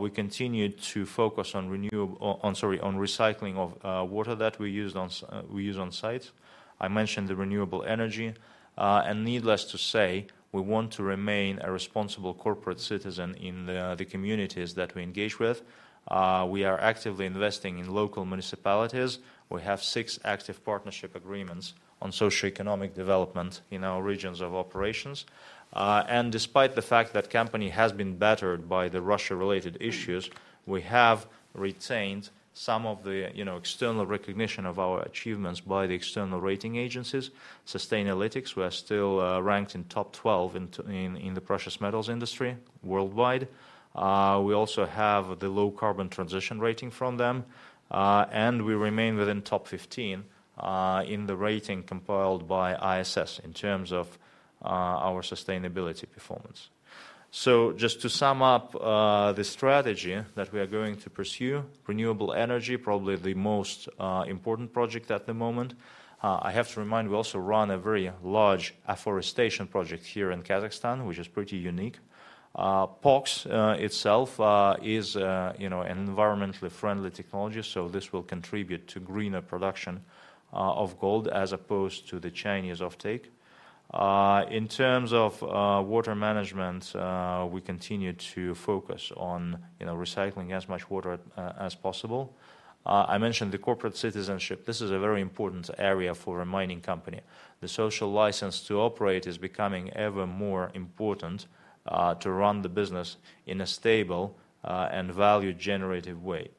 We continue to focus on recycling of water that we use on site. I mentioned the renewable energy. And needless to say, we want to remain a responsible corporate citizen in the communities that we engage with. We are actively investing in local municipalities. We have six active partnership agreements on socioeconomic development in our regions of operations. And despite the fact that company has been battered by the Russia-related issues, we have retained some of the, you know, external recognition of our achievements by the external rating agencies. Sustainalytics, we are still ranked in top 12 in the precious metals industry worldwide. We also have the low carbon transition rating from them, and we remain within top 15 in the rating compiled by ISS in terms of our sustainability performance. So just to sum up, the strategy that we are going to pursue, renewable energy, probably the most important project at the moment. I have to remind, we also run a very large afforestation project here in Kazakhstan, which is pretty unique. POX itself, you know, is an environmentally friendly technology, so this will contribute to greener production of gold as opposed to the Chinese offtake. In terms of water management, we continue to focus on, you know, recycling as much water as possible. I mentioned the corporate citizenship. This is a very important area for a mining company. The social license to operate is becoming ever more important to run the business in a stable and value-generative way.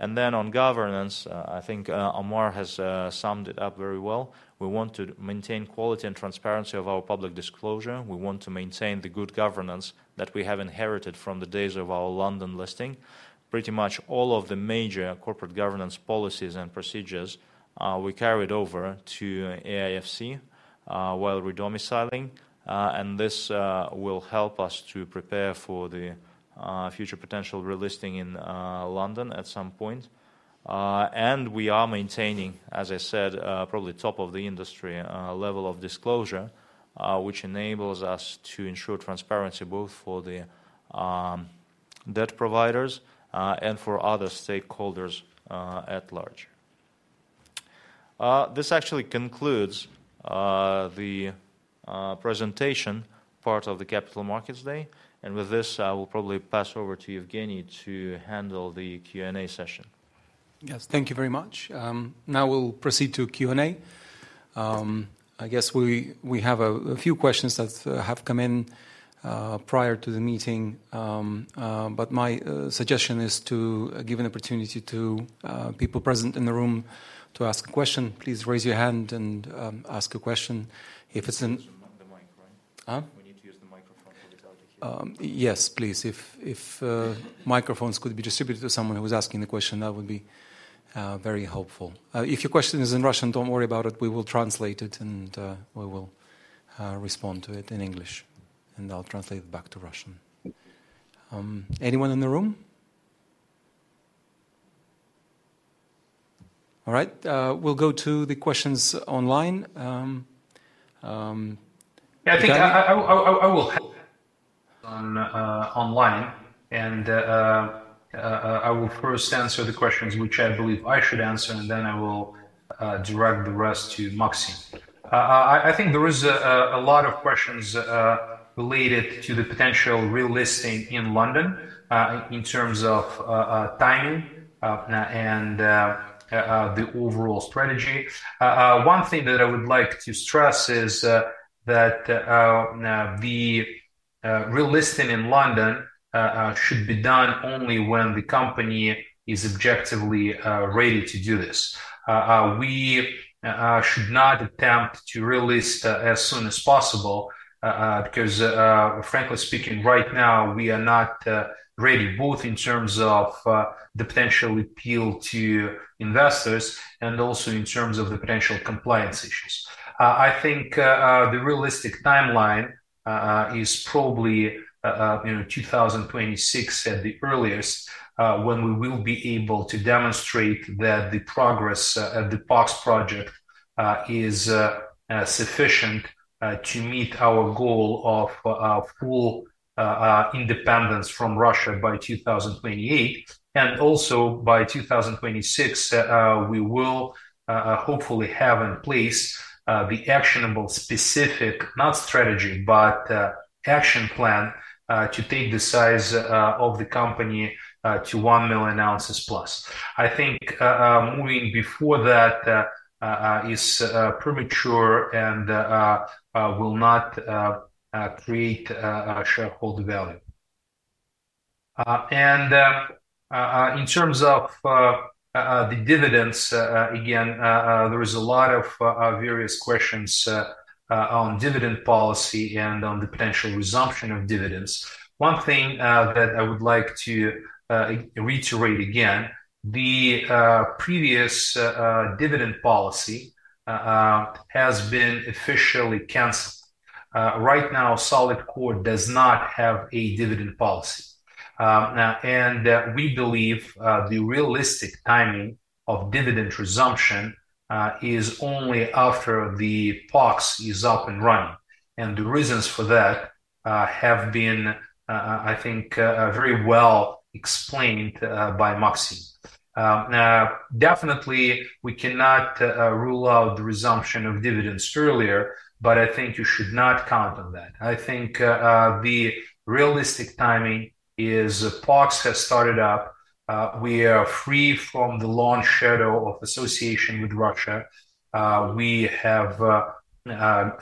And then on governance, I think Omar has summed it up very well. We want to maintain quality and transparency of our public disclosure. We want to maintain the good governance that we have inherited from the days of our London listing. Pretty much all of the major corporate governance policies and procedures, we carried over to AIFC while re-domiciling. This will help us to prepare for the future potential relisting in London at some point. We are maintaining, as I said, probably top of the industry level of disclosure, which enables us to ensure transparency, both for the debt providers and for other stakeholders at large. This actually concludes the presentation part of the Capital Markets Day. With this, I will probably pass over to Evgeny to handle the Q&A session. Yes, thank you very much. Now we'll proceed to Q&A. I guess we have a few questions that have come in prior to the meeting. But my suggestion is to give an opportunity to people present in the room to ask a question. Please raise your hand and ask a question. If it's in- We need to use the mic, right? Huh? We need to use the microphone because it's hard to hear. Yes, please. If microphones could be distributed to someone who is asking the question, that would be very helpful. If your question is in Russian, don't worry about it. We will translate it, and we will respond to it in English, and I'll translate it back to Russian. Anyone in the room? All right, we'll go to the questions online. Evgeny? Yeah, I think I will answer online, and I will first answer the questions which I believe I should answer, and then I will direct the rest to Maxim. I think there is a lot of questions related to the potential relisting in London, in terms of timing, and the overall strategy. One thing that I would like to stress is that the relisting in London should be done only when the company is objectively ready to do this. We should not attempt to relist as soon as possible, because, frankly speaking, right now, we are not ready, both in terms of the potential appeal to investors and also in terms of the potential compliance issues. I think the realistic timeline is probably, you know, 2026 at the earliest, when we will be able to demonstrate that the progress at the POX project is sufficient to meet our goal of full independence from Russia by 2028. And also by 2026, we will hopefully have in place the actionable, specific, not strategy, but action plan to take the size of the company to 1 million ounces plus. I think moving before that is premature and will not create shareholder value.... and, in terms of the dividends, again, there is a lot of various questions on dividend policy and on the potential resumption of dividends. One thing that I would like to reiterate again, the previous dividend policy has been officially canceled. Right now, Solidcore does not have a dividend policy. And we believe the realistic timing of dividend resumption is only after the POX is up and running. And the reasons for that have been, I think, very well explained by Maxim. Definitely, we cannot rule out the resumption of dividends earlier, but I think you should not count on that. I think the realistic timing is POX has started up. We are free from the long shadow of association with Russia. We have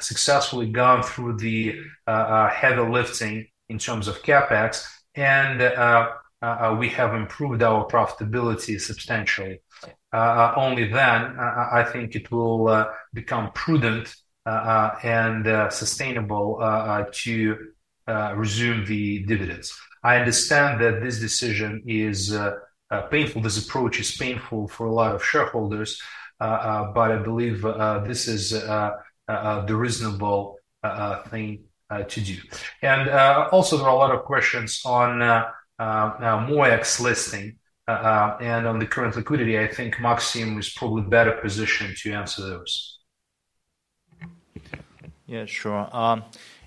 successfully gone through the heavy lifting in terms of CapEx, and we have improved our profitability substantially. Only then, I think it will become prudent and sustainable to resume the dividends. I understand that this decision is painful, this approach is painful for a lot of shareholders, but I believe this is the reasonable thing to do. And also, there are a lot of questions on MOEX listing and on the current liquidity. I think Maxim is probably better positioned to answer those. Yeah, sure.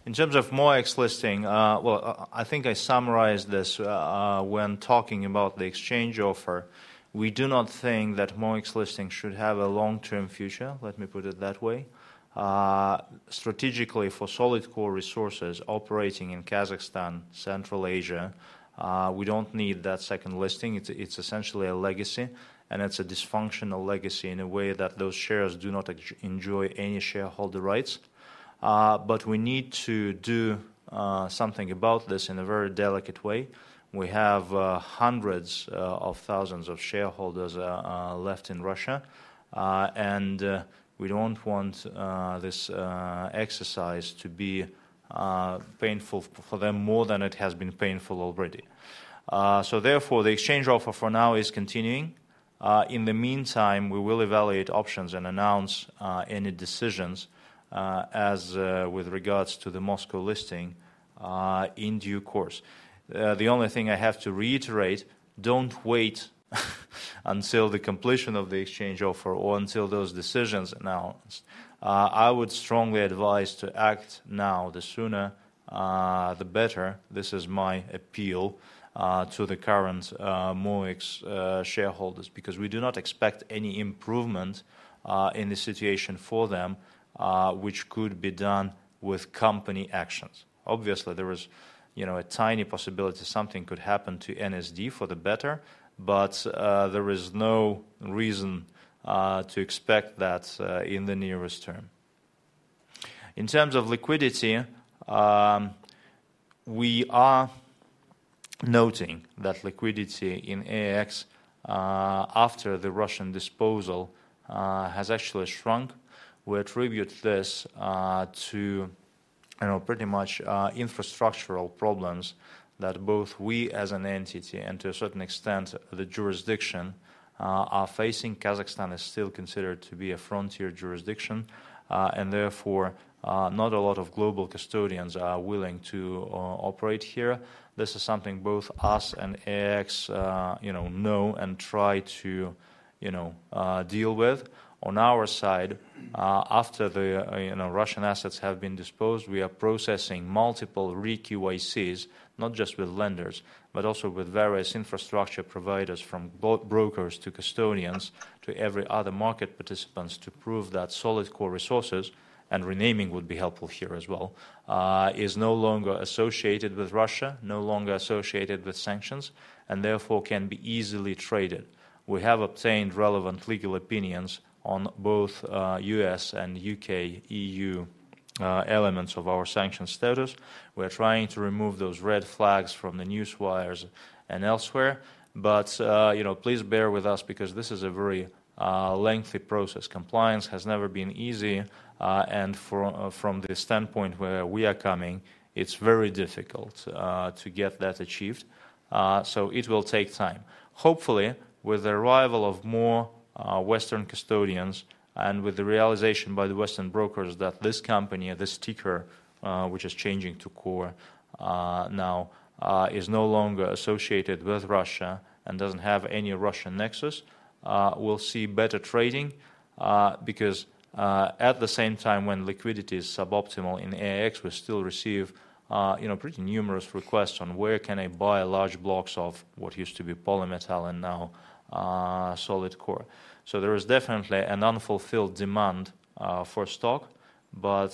In terms of MOEX listing, well, I think I summarized this when talking about the exchange offer. We do not think that MOEX listing should have a long-term future, let me put it that way. Strategically, for Solidcore Resources operating in Kazakhstan, Central Asia, we don't need that second listing. It's, it's essentially a legacy, and it's a dysfunctional legacy in a way that those shares do not enjoy any shareholder rights. But we need to do something about this in a very delicate way. We have hundreds of thousands of shareholders left in Russia, and we don't want this exercise to be painful for them more than it has been painful already. So therefore, the exchange offer for now is continuing. In the meantime, we will evaluate options and announce any decisions as with regards to the Moscow listing in due course. The only thing I have to reiterate, don't wait until the completion of the exchange offer or until those decisions are announced. I would strongly advise to act now. The sooner the better. This is my appeal to the current MOEX shareholders, because we do not expect any improvement in the situation for them, which could be done with company actions. Obviously, there is, you know, a tiny possibility something could happen to NSD for the better, but there is no reason to expect that in the nearest term. In terms of liquidity, we are noting that liquidity in AIX after the Russian disposal has actually shrunk. We attribute this to, you know, pretty much infrastructural problems that both we as an entity and to a certain extent, the jurisdiction are facing. Kazakhstan is still considered to be a frontier jurisdiction, and therefore not a lot of global custodians are willing to operate here. This is something both us and AIX, you know, know and try to, you know, deal with. On our side, after the, you know, Russian assets have been disposed, we are processing multiple re-KYCs, not just with lenders, but also with various infrastructure providers, from both brokers to custodians, to every other market participants, to prove that Solidcore Resources, and renaming would be helpful here as well, is no longer associated with Russia, no longer associated with sanctions, and therefore, can be easily traded. We have obtained relevant legal opinions on both, U.S. and U.K., EU, elements of our sanction status. We're trying to remove those red flags from the newswires and elsewhere, but, you know, please bear with us because this is a very, lengthy process. Compliance has never been easy, and from the standpoint where we are coming, it's very difficult, to get that achieved. So it will take time. Hopefully, with the arrival of more, Western custodians and with the realization by the Western brokers that this company, this ticker, which is changing to Core, now, is no longer associated with Russia and doesn't have any Russian nexus, we'll see better trading. Because, at the same time, when liquidity is suboptimal in AX, we still receive, you know, pretty numerous requests on where can I buy large blocks of what used to be Polymetal and now, Solidcore. So there is definitely an unfulfilled demand, for stock, but,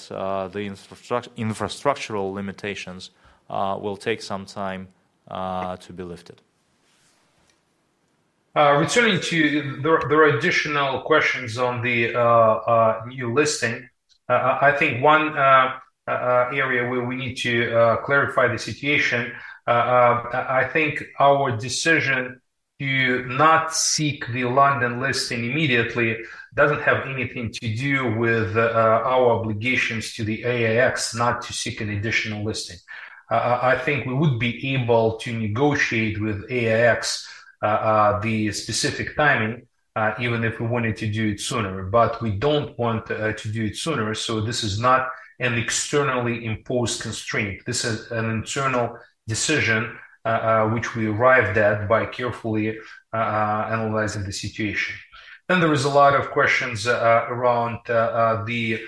the infrastructural limitations, will take some time, to be lifted.... Returning to the, there are additional questions on the new listing. I think one area where we need to clarify the situation. I think our decision to not seek the London listing immediately doesn't have anything to do with our obligations to the AIX not to seek an additional listing. I think we would be able to negotiate with AIX the specific timing, even if we wanted to do it sooner. But we don't want to do it sooner, so this is not an externally imposed constraint. This is an internal decision which we arrived at by carefully analyzing the situation. Then there is a lot of questions around the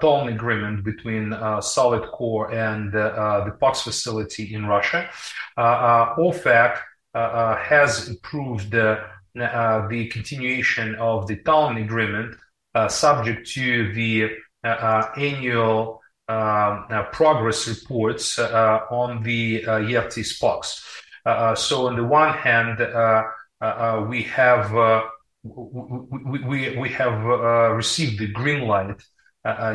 tolling agreement between Solidcore and the POX facility in Russia. OFAC has approved the continuation of the tolling agreement, subject to the annual progress reports on the Ertis POX. So on the one hand, we have received the green light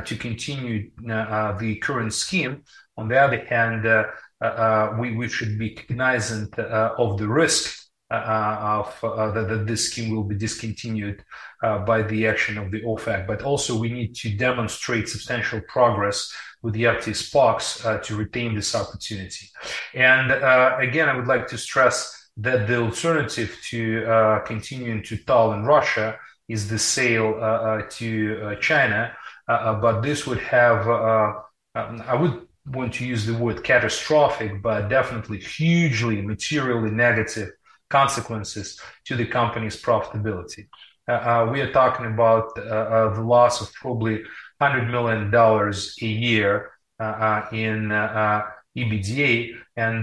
to continue the current scheme. On the other hand, we should be cognizant of the risk of that this scheme will be discontinued by the action of the OFAC. But also, we need to demonstrate substantial progress with the Ertis POX to retain this opportunity. And again, I would like to stress that the alternative to continuing to toll in Russia is the sale to China. But this would have... I wouldn't want to use the word catastrophic, but definitely hugely materially negative consequences to the company's profitability. We are talking about the loss of probably $100 million a year in EBITDA, and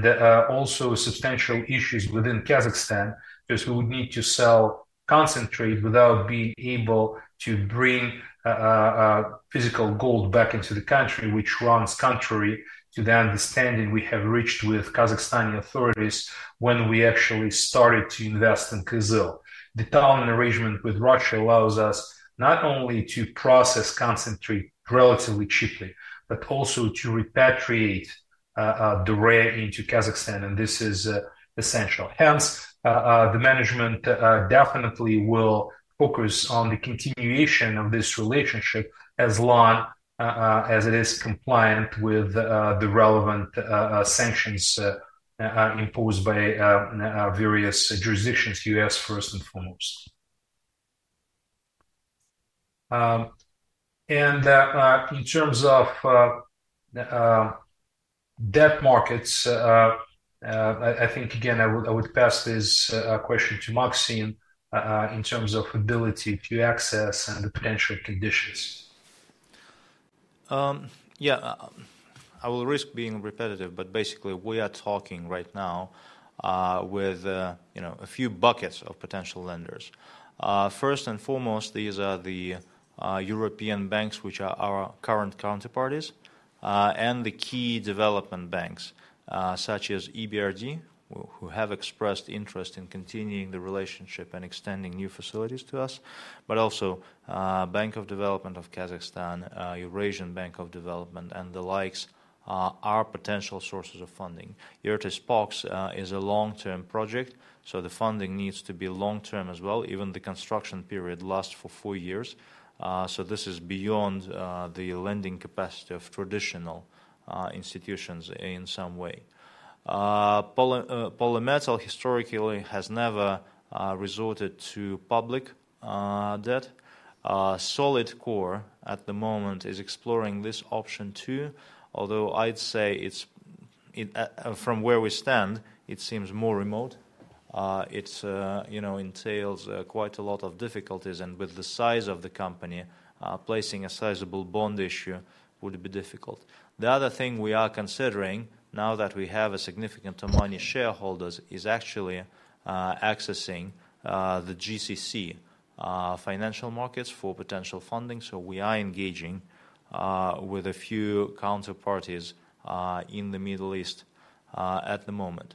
also substantial issues within Kazakhstan, because we would need to sell concentrate without being able to bring physical gold back into the country, which runs contrary to the understanding we have reached with Kazakhstani authorities when we actually started to invest in KAZ Minerals. The tolling arrangement with Russia allows us not only to process concentrate relatively cheaply, but also to repatriate the ore into Kazakhstan, and this is essential. Hence, the management definitely will focus on the continuation of this relationship as long as it is compliant with the relevant sanctions imposed by various jurisdictions, U.S. first and foremost. And, in terms of debt markets, I think, again, I would pass this question to Maxim in terms of ability to access and the potential conditions. Yeah, I will risk being repetitive, but basically, we are talking right now with, you know, a few buckets of potential lenders. First and foremost, these are the European banks, which are our current counterparties, and the key development banks, such as EBRD, who have expressed interest in continuing the relationship and extending new facilities to us. But also, Bank of Development of Kazakhstan, Eurasian Bank of Development, and the likes, are potential sources of funding. Ertis POX is a long-term project, so the funding needs to be long-term as well. Even the construction period lasts for four years, so this is beyond the lending capacity of traditional institutions in some way. Poly, Polymetal historically has never resorted to public debt. Solidcore at the moment is exploring this option, too, although I'd say it's, from where we stand, it seems more remote. It's, you know, entails, quite a lot of difficulties, and with the size of the company, placing a sizable bond issue would be difficult. The other thing we are considering, now that we have a significant amount of shareholders, is actually, accessing, the GCC, financial markets for potential funding. So we are engaging, with a few counterparties, in the Middle East, at the moment.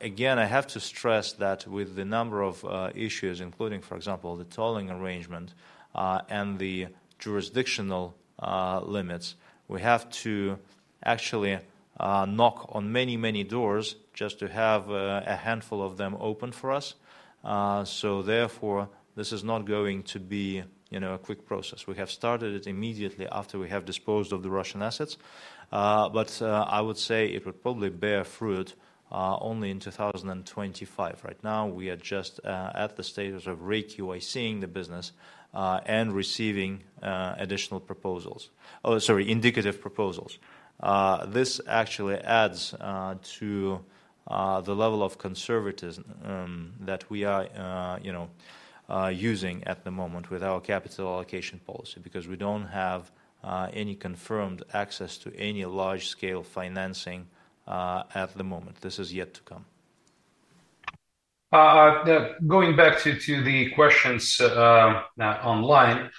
Again, I have to stress that with the number of, issues, including, for example, the tolling arrangement, and the jurisdictional, limits, we have to actually, knock on many, many doors just to have, a handful of them open for us. So therefore, this is not going to be, you know, a quick process. We have started it immediately after we have disposed of the Russian assets. But, I would say it would probably bear fruit only in 2025. Right now, we are just at the stage of re-KYC-ing the business and receiving additional proposals. Oh, sorry, indicative proposals. This actually adds to the level of conservatism that we are, you know, using at the moment with our capital allocation policy, because we don't have any confirmed access to any large-scale financing at the moment. This is yet to come.... going back to the questions online,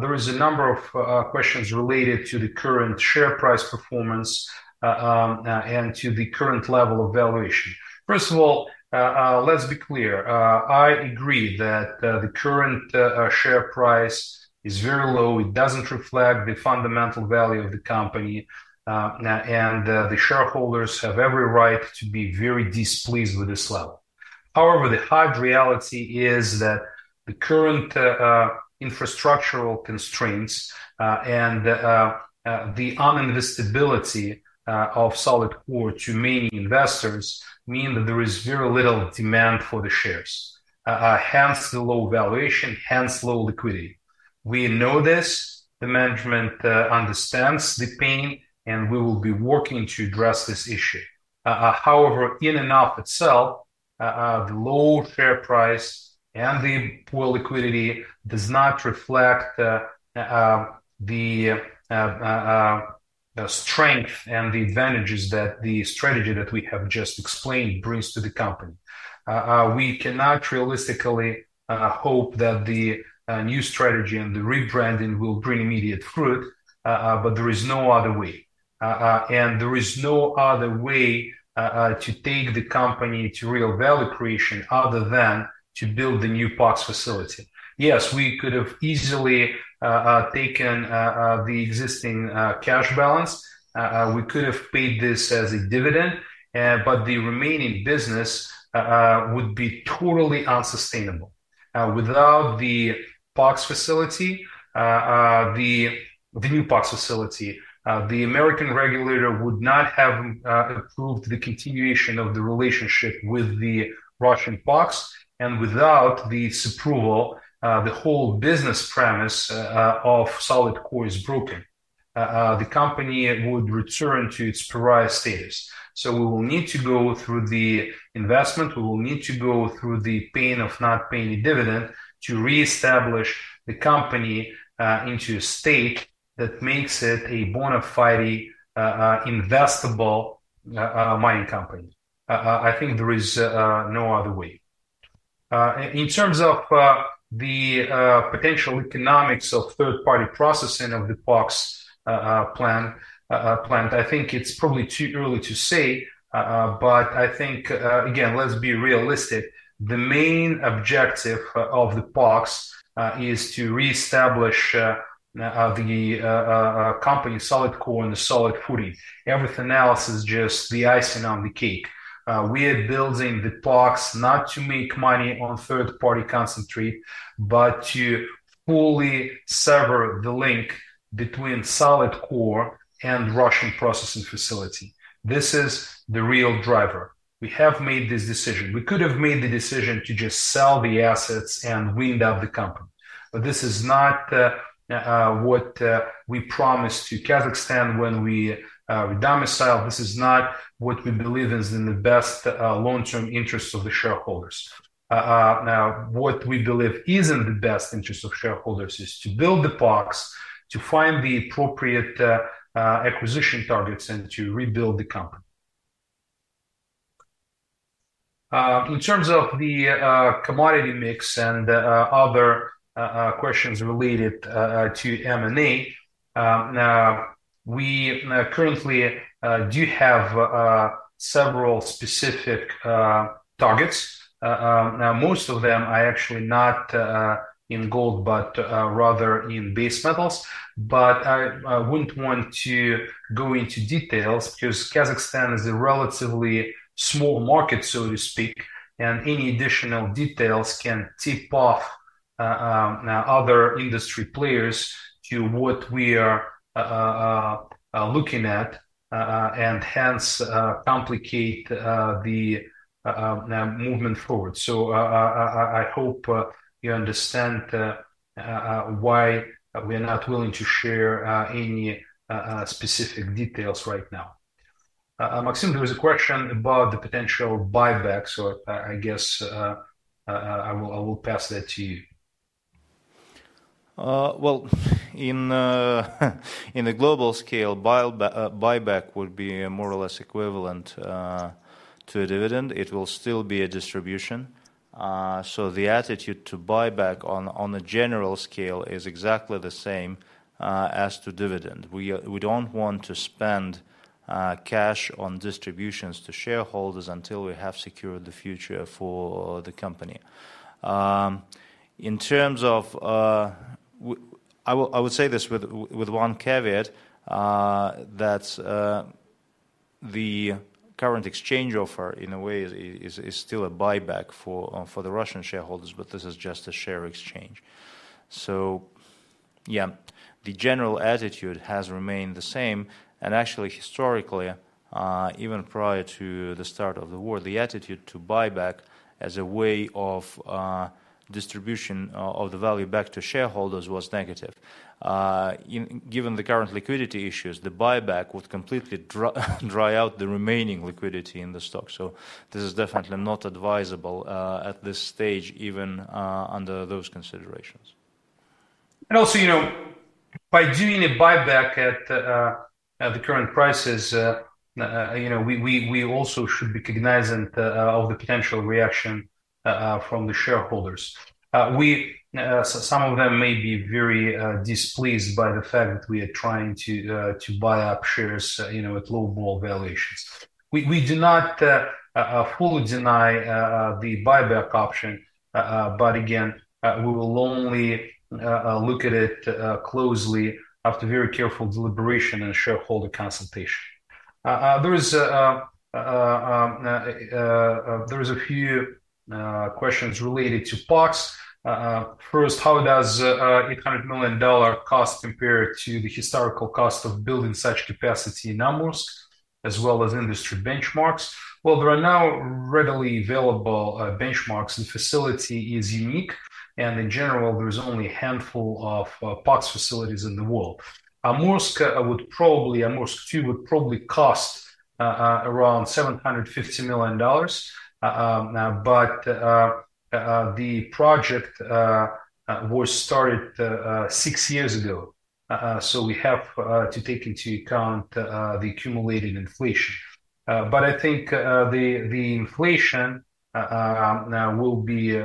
there is a number of questions related to the current share price performance, and to the current level of valuation. First of all, let's be clear. I agree that the current share price is very low. It doesn't reflect the fundamental value of the company, and the shareholders have every right to be very displeased with this level. However, the hard reality is that the current infrastructural constraints and the uninvestibility of Solidcore to many investors mean that there is very little demand for the shares, hence the low valuation, hence low liquidity. We know this, the management understands the pain, and we will be working to address this issue. However, in and of itself, the low share price and the poor liquidity does not reflect the strength and the advantages that the strategy that we have just explained brings to the company. We cannot realistically hope that the new strategy and the rebranding will bring immediate fruit, but there is no other way. And there is no other way to take the company to real value creation other than to build the new POX facility. Yes, we could have easily taken the existing cash balance. We could have paid this as a dividend, but the remaining business would be totally unsustainable. Without the POX facility, the new POX facility, the American regulator would not have approved the continuation of the relationship with the Russian POX, and without this approval, the whole business premise of Solidcore is broken. The company would return to its prior status. So we will need to go through the investment. We will need to go through the pain of not paying a dividend to reestablish the company into a state that makes it a bona fide investable mining company. I think there is no other way. In terms of the potential economics of third-party processing of the POX plant, I think it's probably too early to say. But I think, again, let's be realistic. The main objective of the POX is to reestablish the company Solidcore on a solid footing. Everything else is just the icing on the cake. We are building the POX not to make money on third-party concentrate, but to fully sever the link between Solidcore and Russian processing facility. This is the real driver. We have made this decision. We could have made the decision to just sell the assets and wind up the company, but this is not what we promised to Kazakhstan when we domiciled. This is not what we believe is in the best long-term interests of the shareholders. Now, what we believe is in the best interest of shareholders is to build the POX, to find the appropriate acquisition targets, and to rebuild the company. In terms of the commodity mix and other questions related to M&A, we currently do have several specific targets. Most of them are actually not in gold, but rather in base metals. But I wouldn't want to go into details because Kazakhstan is a relatively small market, so to speak, and any additional details can tip off other industry players to what we are looking at, and hence complicate the movement forward. So I hope you understand why we are not willing to share any specific details right now. Maxim, there was a question about the potential buyback, so I guess, I will pass that to you. Well, in a global scale, buyback would be more or less equivalent to a dividend. It will still be a distribution. So the attitude to buyback on a general scale is exactly the same as to dividend. We are. We don't want to spend cash on distributions to shareholders until we have secured the future for the company. In terms of... I would say this with one caveat, that the current exchange offer, in a way, is still a buyback for the Russian shareholders, but this is just a share exchange. So yeah, the general attitude has remained the same, and actually, historically, even prior to the start of the war, the attitude to buyback as a way of distribution of the value back to shareholders was negative. Given the current liquidity issues, the buyback would completely dry out the remaining liquidity in the stock. So this is definitely not advisable at this stage, even under those considerations. And also, you know, by doing a buyback at the current prices, you know, we also should be cognizant of the potential reaction from the shareholders. So some of them may be very displeased by the fact that we are trying to buy up shares, you know, at low gold valuations. We do not fully deny the buyback option, but again, we will only look at it closely after very careful deliberation and shareholder consultation. There is a few questions related to POX. First, how does $800 million cost compare to the historical cost of building such capacity in Amursk, as well as industry benchmarks? Well, there are now readily available benchmarks, and facility is unique, and in general, there is only a handful of POX facilities in the world. Amursk would probably, Amursk 2 would probably cost around $750 million. But the project was started six years ago. So we have to take into account the accumulated inflation. But I think the inflation will be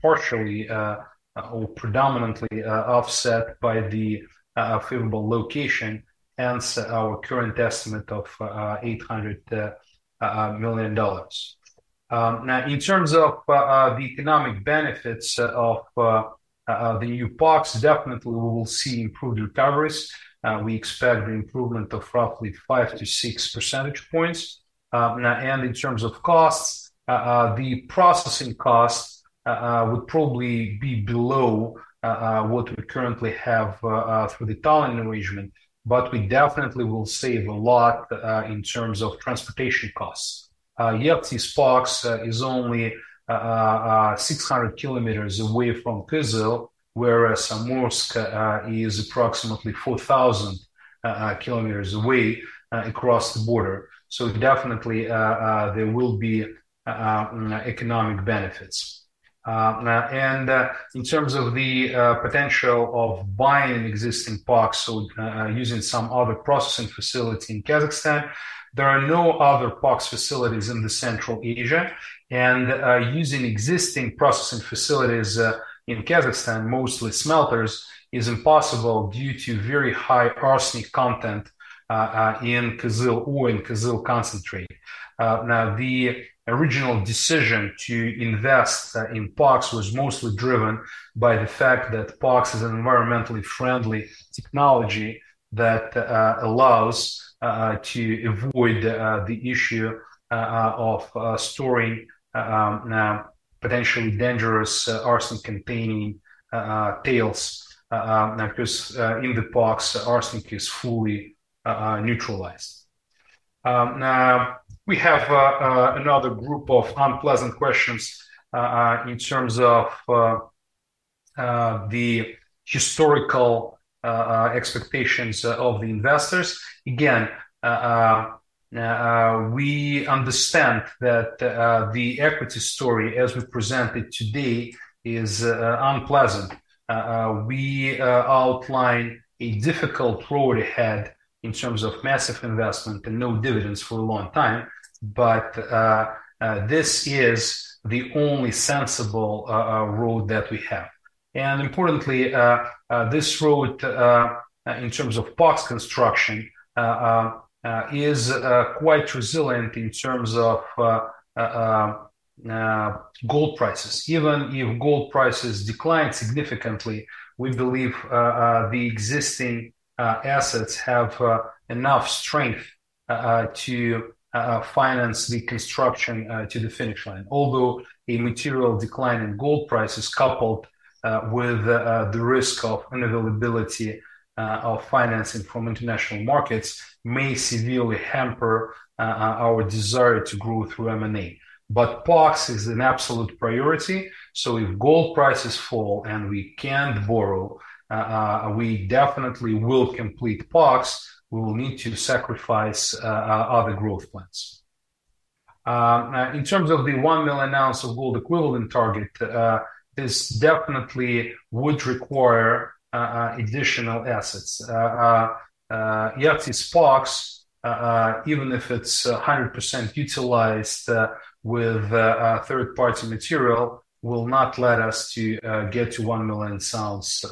partially or predominantly offset by the favorable location, hence our current estimate of $800 million. Now, in terms of the economic benefits of the new POX, definitely we will see improved recoveries. We expect an improvement of roughly 5%-6% points. In terms of costs, the processing costs would probably be below what we currently have through the tolling arrangement, but we definitely will save a lot in terms of transportation costs. Ertis POX is only 600 km away from Kyzyl, whereas Amursk is approximately 4,000 km away across the border. So definitely, there will be economic benefits. In terms of the potential of buying an existing POX or using some other processing facility in Kazakhstan, there are no other POX facilities in Central Asia. Using existing processing facilities in Kazakhstan, mostly smelters, is impossible due to very high arsenic content in Kyzyl ore and Kyzyl concentrate. Now, the original decision to invest in POX was mostly driven by the fact that POX is an environmentally friendly technology that allows to avoid the issue of storing potentially dangerous arsenic-containing tails. Because in the POX, arsenic is fully neutralized. Now, we have another group of unpleasant questions in terms of the historical expectations of the investors. Again, we understand that the equity story as we present it today is unpleasant. We outline a difficult road ahead in terms of massive investment and no dividends for a long time, but this is the only sensible road that we have. Importantly, this road in terms of POX construction is quite resilient in terms of gold prices. Even if gold prices decline significantly, we believe the existing assets have enough strength to finance the construction to the finish line. Although a material decline in gold prices, coupled with the risk of unavailability of financing from international markets, may severely hamper our desire to grow through M&A. But POX is an absolute priority, so if gold prices fall and we can't borrow, we definitely will complete POX. We will need to sacrifice other growth plans. In terms of the 1 million ounce of gold equivalent target, this definitely would require additional assets. Ertis POX, even if it's 100% utilized with third-party material, will not let us to get to 1 million ounces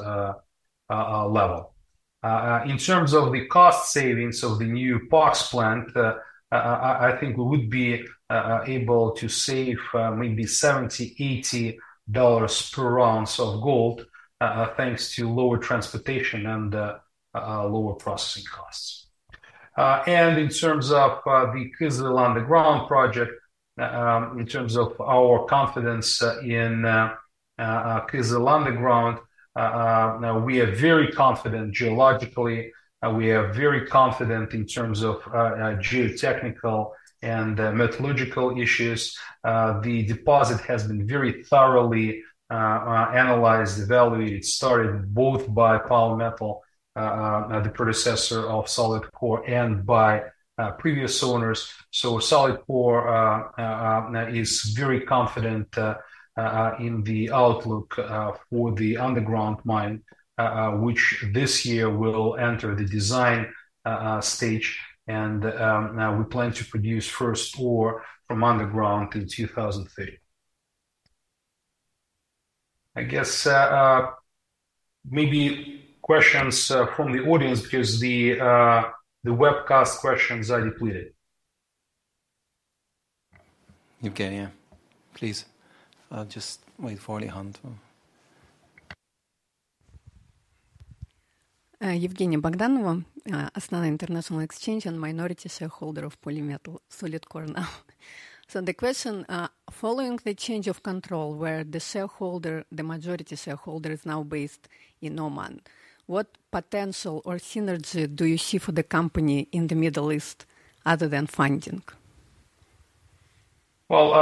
level. In terms of the cost savings of the new POX plant, I think we would be able to save maybe $70-$80 per ounce of gold, thanks to lower transportation and lower processing costs. In terms of the Kyzyl underground project, in terms of our confidence in Kyzyl underground, now, we are very confident geologically, we are very confident in terms of geotechnical and metallurgical issues. The deposit has been very thoroughly analyzed, evaluated, studied, both by Polymetal, the predecessor of Solidcore, and by previous owners. So Solidcore is very confident in the outlook for the underground mine, which this year will enter the design stage. We plan to produce first ore from underground in 2030. I guess maybe questions from the audience, because the, the webcast questions are depleted. Okay, yeah. Please, just wait for the hand. Evgenia Bogdanova, Astana International Exchange and minority shareholder of Polymetal, Solidcore now. So the question, following the change of control, where the shareholder, the majority shareholder, is now based in Oman, what potential or synergy do you see for the company in the Middle East other than funding? Well,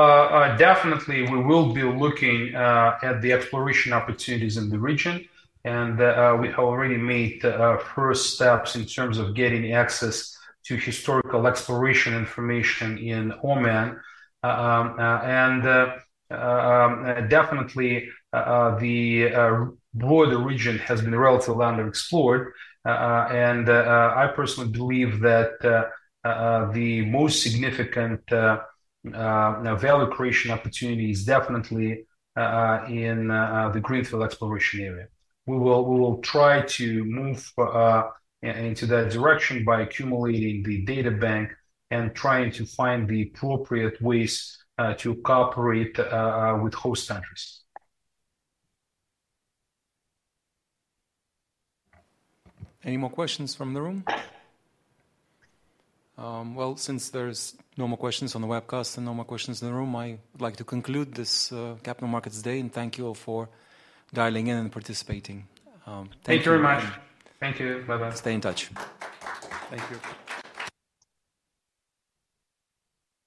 definitely we will be looking at the exploration opportunities in the region, and we have already made the first steps in terms of getting access to historical exploration information in Oman. And definitely, the broader region has been relatively underexplored. And I personally believe that the most significant value creation opportunity is definitely in the greenfield exploration area. We will try to move into that direction by accumulating the data bank and trying to find the appropriate ways to cooperate with host countries. Any more questions from the room? Well, since there's no more questions on the webcast and no more questions in the room, I would like to conclude this Capital Markets Day, and thank you all for dialing in and participating. Thank you. Thank you very much. Thank you. Bye-bye. Stay in touch. Thank you.